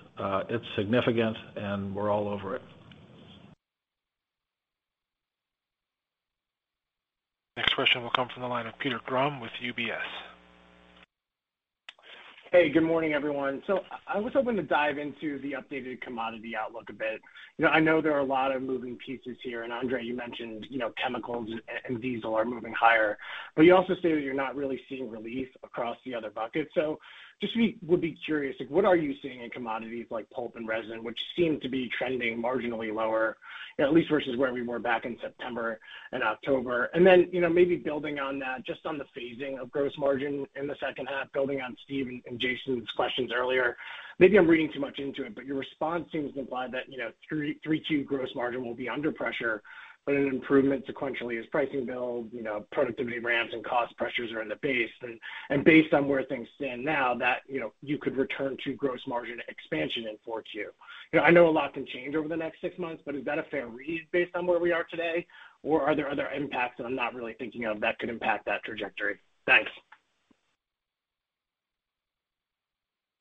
it's significant, and we're all over it.
Next question will come from the line of Peter Grom with UBS.
Hey, good morning, everyone. I was hoping to dive into the updated commodity outlook a bit. You know, I know there are a lot of moving pieces here, and Andre, you mentioned, you know, chemicals and diesel are moving higher. You also say that you're not really seeing relief across the other buckets. Just we would be curious, like what are you seeing in commodities like pulp and resin, which seem to be trending marginally lower, at least versus where we were back in September and October? You know, maybe building on that, just on the phasing of gross margin in the second half, building on Steve and Jason's questions earlier, maybe I'm reading too much into it, but your response seems to imply that, you know, Q3 to Q4 gross margin will be under pressure, but an improvement sequentially as pricing builds, you know, productivity ramps and cost pressures are in the base. Based on where things stand now that, you know, you could return to gross margin expansion in Q4 too. You know, I know a lot can change over the next six months, but is that a fair read based on where we are today? Or are there other impacts that I'm not really thinking of that could impact that trajectory? Thanks.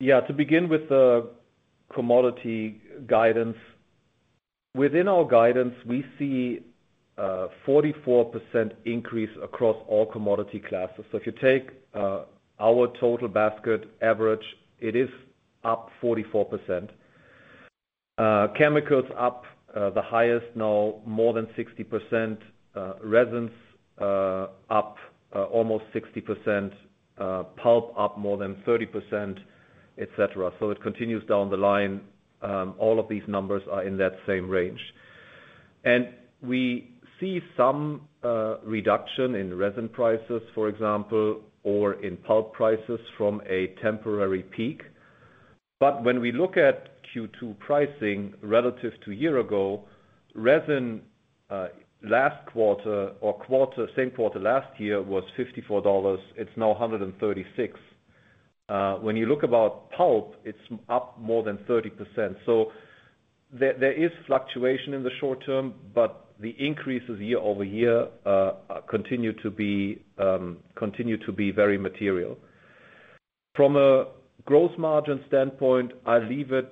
To begin with the commodity guidance. Within our guidance, we see 44% increase across all commodity classes. If you take our total basket average, it is up 44%. Chemicals up the highest now, more than 60%. Resins up almost 60%. Pulp up more than 30%, etc. It continues down the line. All of these numbers are in that same range. We see some reduction in resin prices, for example, or in pulp prices from a temporary peak. When we look at Q2 pricing relative to a year ago, resin same quarter last year was $54. It's now $136. When you look at pulp, it's up more than 30%. There is fluctuation in the short term, but the increases year-over-year continue to be very material. From a gross margin standpoint, I leave it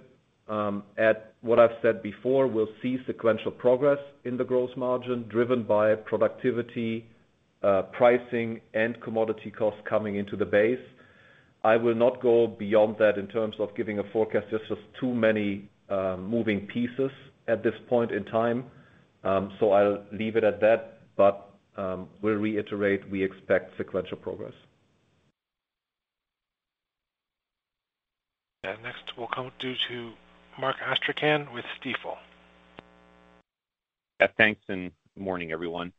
at what I've said before. We'll see sequential progress in the gross margin driven by productivity, pricing, and commodity costs coming into the base. I will not go beyond that in terms of giving a forecast. There's just too many moving pieces at this point in time. I'll leave it at that. We'll reiterate, we expect sequential progress.
Next we'll come to Mark Astrachan with Stifel.
Yeah, thanks, morning, everyone.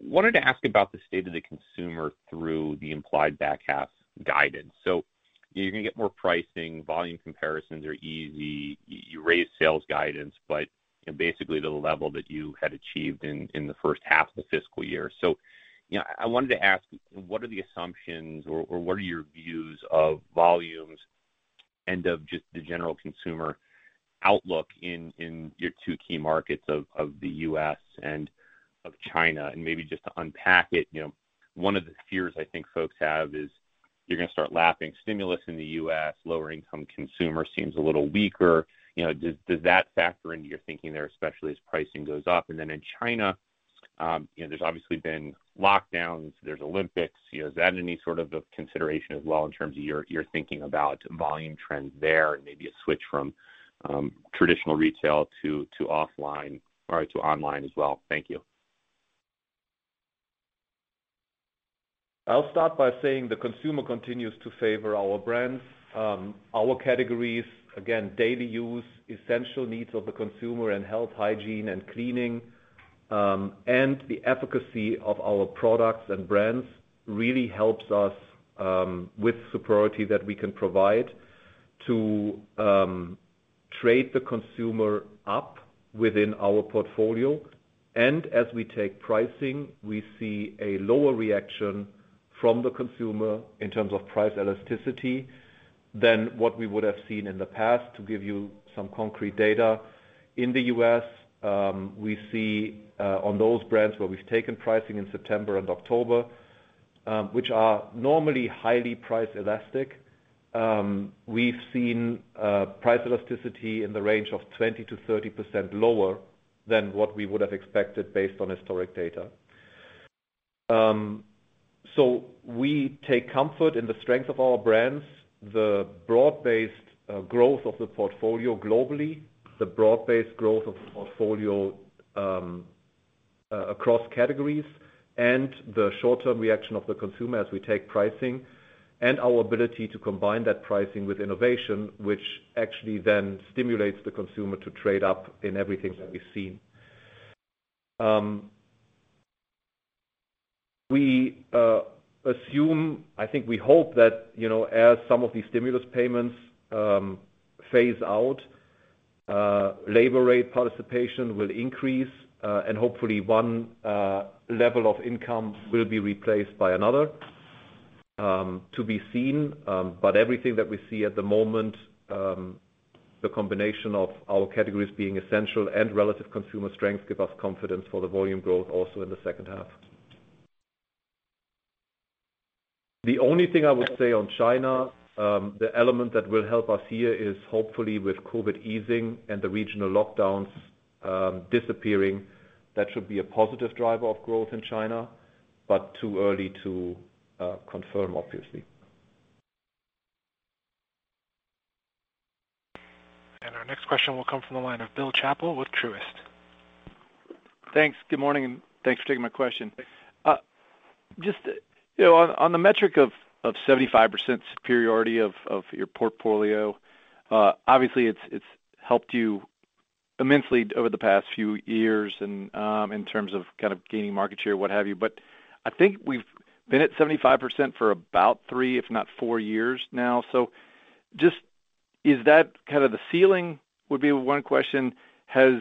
Wanted to ask about the state of the consumer through the implied back half guidance. You're gonna get more pricing. Volume comparisons are easy. You raise sales guidance, but basically to the level that you had achieved in the first half of the fiscal year. You know, I wanted to ask, what are the assumptions or what are your views of volumes and of just the general consumer outlook in your two key markets of the U.S. and of China? Maybe just to unpack it, you know, one of the fears I think folks have is you're gonna start lapping stimulus in the U.S., lower income consumer seems a little weaker. You know, does that factor into your thinking there, especially as pricing goes up? In China, you know, there's obviously been lockdowns, there's the Olympics. You know, is that any sort of a consideration as well in terms of your thinking about volume trends there, and maybe a switch from traditional retail to offline or to online as well? Thank you.
I'll start by saying the consumer continues to favor our brands. Our categories, again, daily use, essential needs of the consumer in health, hygiene, and cleaning, and the efficacy of our products and brands really helps us with superiority that we can provide to trade the consumer up within our portfolio. As we take pricing, we see a lower reaction from the consumer in terms of price elasticity than what we would have seen in the past. To give you some concrete data, in the U.S., we see on those brands where we've taken pricing in September and October, which are normally highly price elastic, we've seen price elasticity in the range of 20%-30% lower than what we would have expected based on historic data. We take comfort in the strength of our brands, the broad-based growth of the portfolio globally across categories, and the short-term reaction of the consumer as we take pricing, and our ability to combine that pricing with innovation, which actually then stimulates the consumer to trade up in everything that we've seen. We assume. I think we hope that, you know, as some of these stimulus payments phase out, labor force participation will increase, and hopefully one level of income will be replaced by another, to be seen. Everything that we see at the moment, the combination of our categories being essential and relative consumer strength give us confidence for the volume growth also in the second half. The only thing I would say on China, the element that will help us here is hopefully with COVID easing and the regional lockdowns disappearing, that should be a positive driver of growth in China, but too early to confirm, obviously.
Our next question will come from the line of Bill Chappell with Truist.
Thanks. Good morning, and thanks for taking my question. Just, you know, on the metric of 75% superiority of your portfolio, obviously it's helped you immensely over the past few years and, in terms of kind of gaining market share, what have you. I think we've been at 75% for about three, if not four years now. Just is that kind of the ceiling, would be one question. Has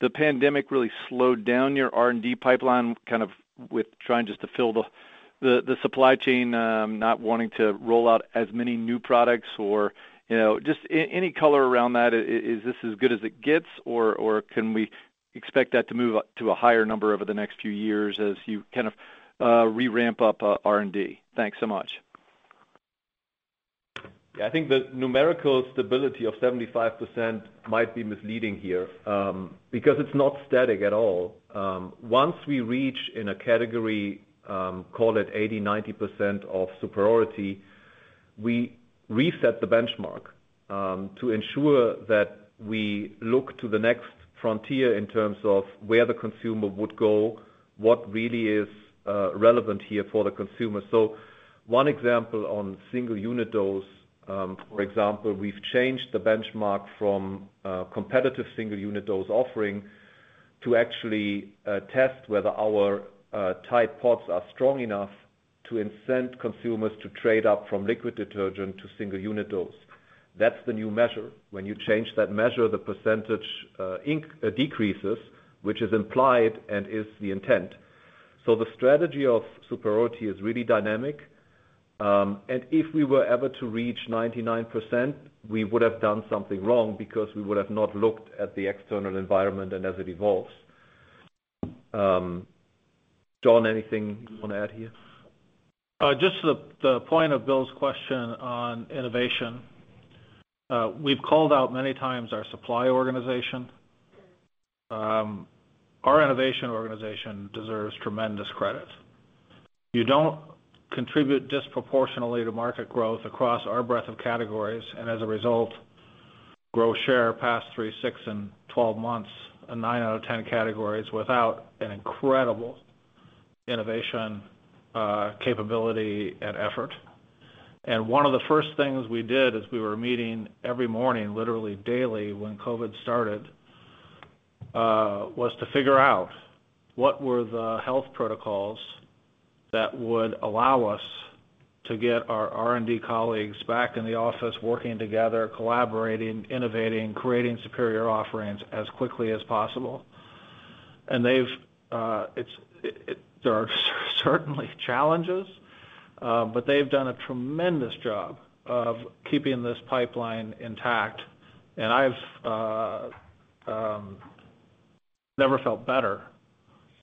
the pandemic really slowed down your R&D pipeline, kind of with trying just to fill the supply chain, not wanting to roll out as many new products or, you know, just any color around that. Is this as good as it gets or can we expect that to move up to a higher number over the next few years as you kind of re-ramp up R&D? Thanks so much.
Yeah. I think the numerical stability of 75% might be misleading here, because it's not static at all. Once we reach in a category, call it 80%, 90% of superiority, we reset the benchmark, to ensure that we look to the next frontier in terms of where the consumer would go, what really is relevant here for the consumer. One example on single unit dose, for example, we've changed the benchmark from a competitive single unit dose offering to actually test whether our Tide PODS are strong enough to incent consumers to trade up from liquid detergent to single unit dose. That's the new measure. When you change that measure, the percentage decreases, which is implied and is the intent. The strategy of superiority is really dynamic. If we were ever to reach 99%, we would have done something wrong because we would have not looked at the external environment and as it evolves. Jon, anything you wanna add here?
Just to the point of Bill's question on innovation, we've called out many times our supply organization. Our innovation organization deserves tremendous credit. We don't contribute disproportionately to market growth across our breadth of categories, and as a result, gain share over the past three, six, and 12 months in nine out of 10 categories without an incredible innovation capability and effort. One of the first things we did as we were meeting every morning, literally daily when COVID started, was to figure out what were the health protocols that would allow us to get our R&D colleagues back in the office working together, collaborating, innovating, creating superior offerings as quickly as possible. There are certainly challenges, but they've done a tremendous job of keeping this pipeline intact. I've never felt better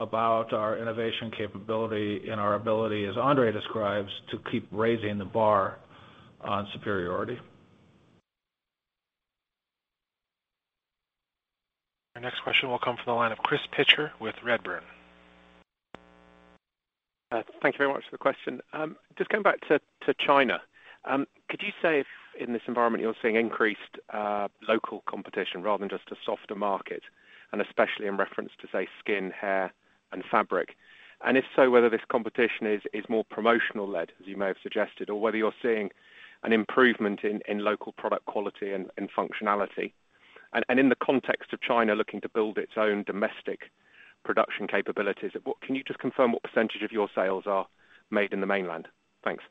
about our innovation capability and our ability, as Andre describes, to keep raising the bar on superiority.
Our next question will come from the line of Chris Pitcher with Redburn.
Thank you very much for the question. Just going back to China. Could you say if in this environment you're seeing increased local competition rather than just a softer market, and especially in reference to, say, skin, hair, and fabric? If so, whether this competition is more promotional-led, as you may have suggested, or whether you're seeing an improvement in local product quality and functionality. In the context of China looking to build its own domestic production capabilities, can you just confirm what percentage of your sales are made in the mainland? Thanks.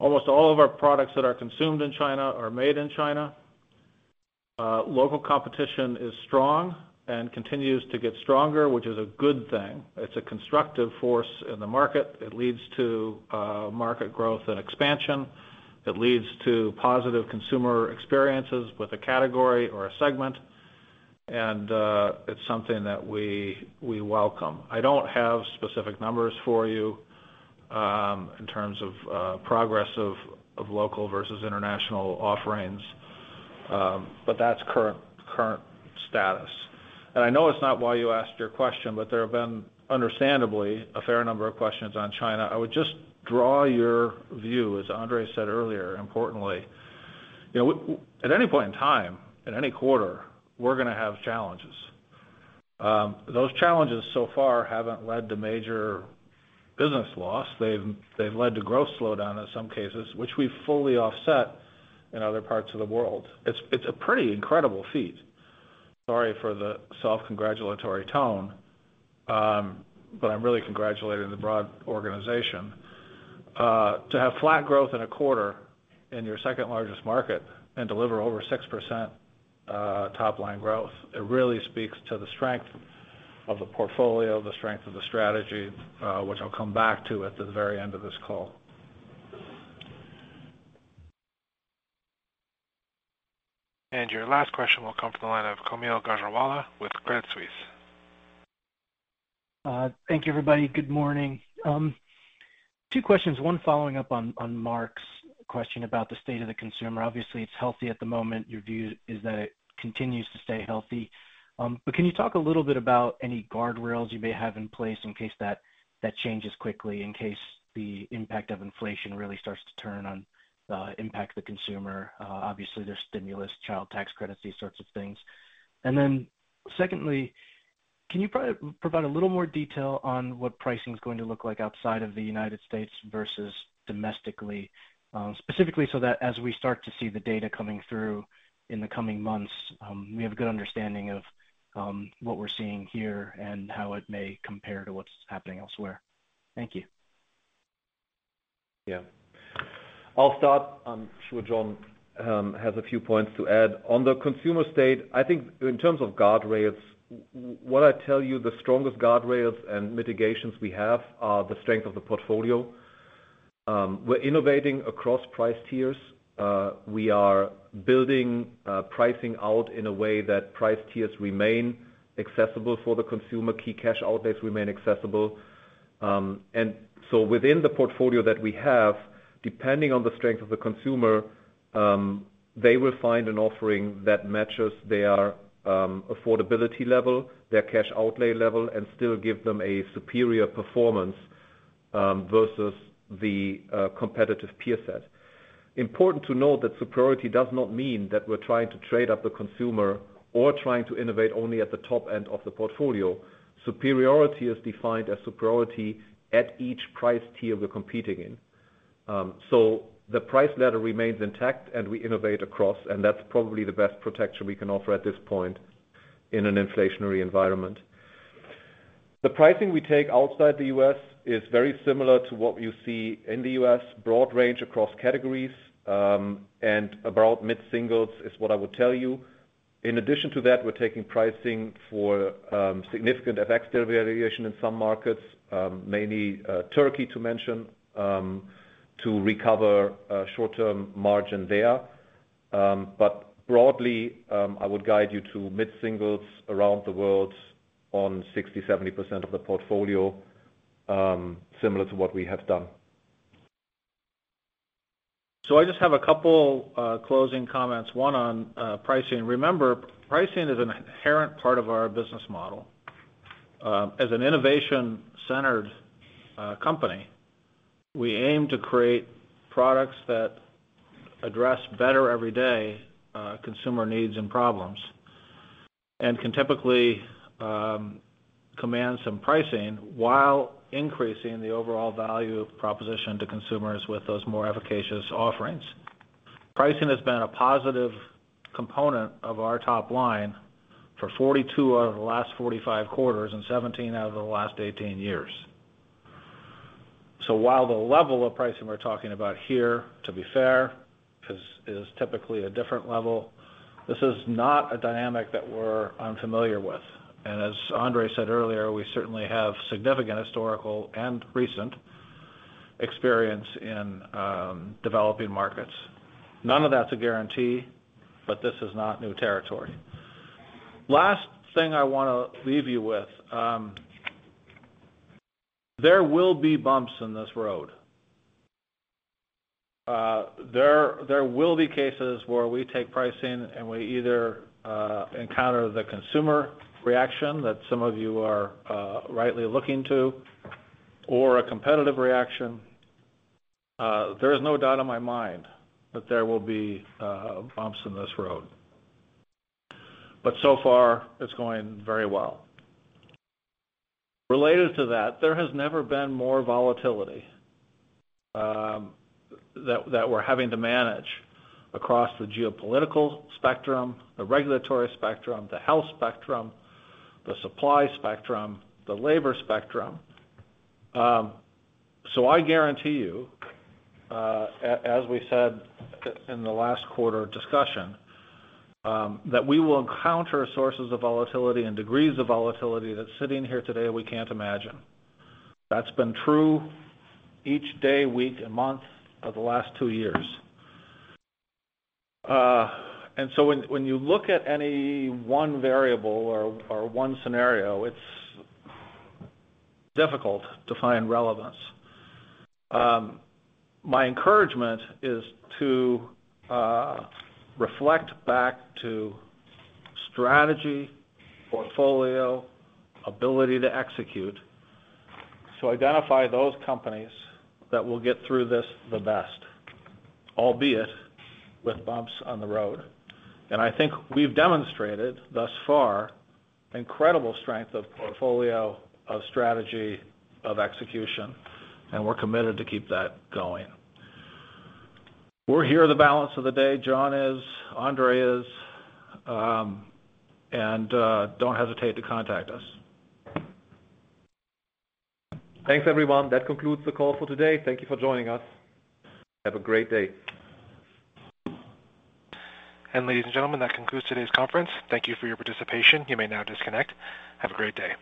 Almost all of our products that are consumed in China are made in China. Local competition is strong and continues to get stronger, which is a good thing. It's a constructive force in the market. It leads to market growth and expansion. It leads to positive consumer experiences with a category or a segment, and it's something that we welcome. I don't have specific numbers for you in terms of progress of local versus international offerings, but that's current status. I know it's not why you asked your question, but there have been understandably a fair number of questions on China. I would just draw your view, as Andre said earlier, importantly. At any point in time, at any quarter, we're gonna have challenges. Those challenges so far haven't led to major business loss. They've led to growth slowdown in some cases, which we fully offset in other parts of the world. It's a pretty incredible feat. Sorry for the self-congratulatory tone, but I'm really congratulating the broad organization. To have flat growth in a quarter in your second-largest market and deliver over 6%, top-line growth, it really speaks to the strength of the portfolio, the strength of the strategy, which I'll come back to at the very end of this call.
Your last question will come from the line of Kaumil Gajrawala with Credit Suisse.
Thank you everybody. Good morning. Two questions, one following up on Mark's question about the state of the consumer. Obviously, it's healthy at the moment. Your view is that it continues to stay healthy. Can you talk a little bit about any guardrails you may have in place in case that changes quickly, in case the impact of inflation really starts to turn on, impact the consumer. Obviously, there's stimulus, child tax credits, these sorts of things. Secondly, can you provide a little more detail on what pricing is going to look like outside of the United States versus domestically, specifically so that as we start to see the data coming through in the coming months, we have a good understanding of what we're seeing here and how it may compare to what's happening elsewhere. Thank you.
Yeah. I'll start. I'm sure Jon has a few points to add. On the consumer state, I think in terms of guardrails, what I tell you, the strongest guardrails and mitigations we have are the strength of the portfolio. We're innovating across price tiers. We are building pricing out in a way that price tiers remain accessible for the consumer. Key cash outlays remain accessible. Within the portfolio that we have, depending on the strength of the consumer, they will find an offering that matches their affordability level, their cash outlay level, and still give them a superior performance versus the competitive peer set. Important to note that superiority does not mean that we're trying to trade up the consumer or trying to innovate only at the top end of the portfolio. Superiority is defined as superiority at each price tier we're competing in. The price ladder remains intact, and we innovate across, and that's probably the best protection we can offer at this point in an inflationary environment. The pricing we take outside the U.S. is very similar to what you see in the U.S. Broad range across categories, and about mid-singles is what I would tell you. In addition to that, we're taking pricing for significant FX deterioration in some markets, mainly Turkey to mention, to recover short-term margin there. Broadly, I would guide you to mid-singles around the world on 60%-70% of the portfolio, similar to what we have done.
I just have a couple closing comments, one on pricing. Remember, pricing is an inherent part of our business model. As an innovation-centered company, we aim to create products that address better every day consumer needs and problems, and can typically command some pricing while increasing the overall value proposition to consumers with those more efficacious offerings. Pricing has been a positive component of our top line for 42 out of the last 45 quarters and 17 out of the last 18 years. While the level of pricing we're talking about here, to be fair, is typically a different level, this is not a dynamic that we're unfamiliar with. As Andre said earlier, we certainly have significant historical and recent experience in developing markets. None of that's a guarantee, but this is not new territory. Last thing I wanna leave you with, there will be bumps in this road. There will be cases where we take pricing, and we either encounter the consumer reaction that some of you are rightly looking to, or a competitive reaction. There is no doubt in my mind that there will be bumps in this road. So far, it's going very well. Related to that, there has never been more volatility that we're having to manage across the geopolitical spectrum, the regulatory spectrum, the health spectrum, the supply spectrum, the labor spectrum. I guarantee you, as we said in the last quarter discussion, that we will encounter sources of volatility and degrees of volatility that sitting here today we can't imagine. That's been true each day, week, and month of the last two years. When you look at any one variable or one scenario, it's difficult to find relevance. My encouragement is to reflect back to strategy, portfolio, ability to execute, to identify those companies that will get through this the best, albeit with bumps on the road. I think we've demonstrated thus far incredible strength of portfolio, of strategy, of execution, and we're committed to keep that going. We're here the balance of the day. John is, Andre is. Don't hesitate to contact us.
Thanks, everyone. That concludes the call for today. Thank you for joining us. Have a great day.
Ladies and gentlemen, that concludes today's conference. Thank you for your participation. You may now disconnect. Have a great day.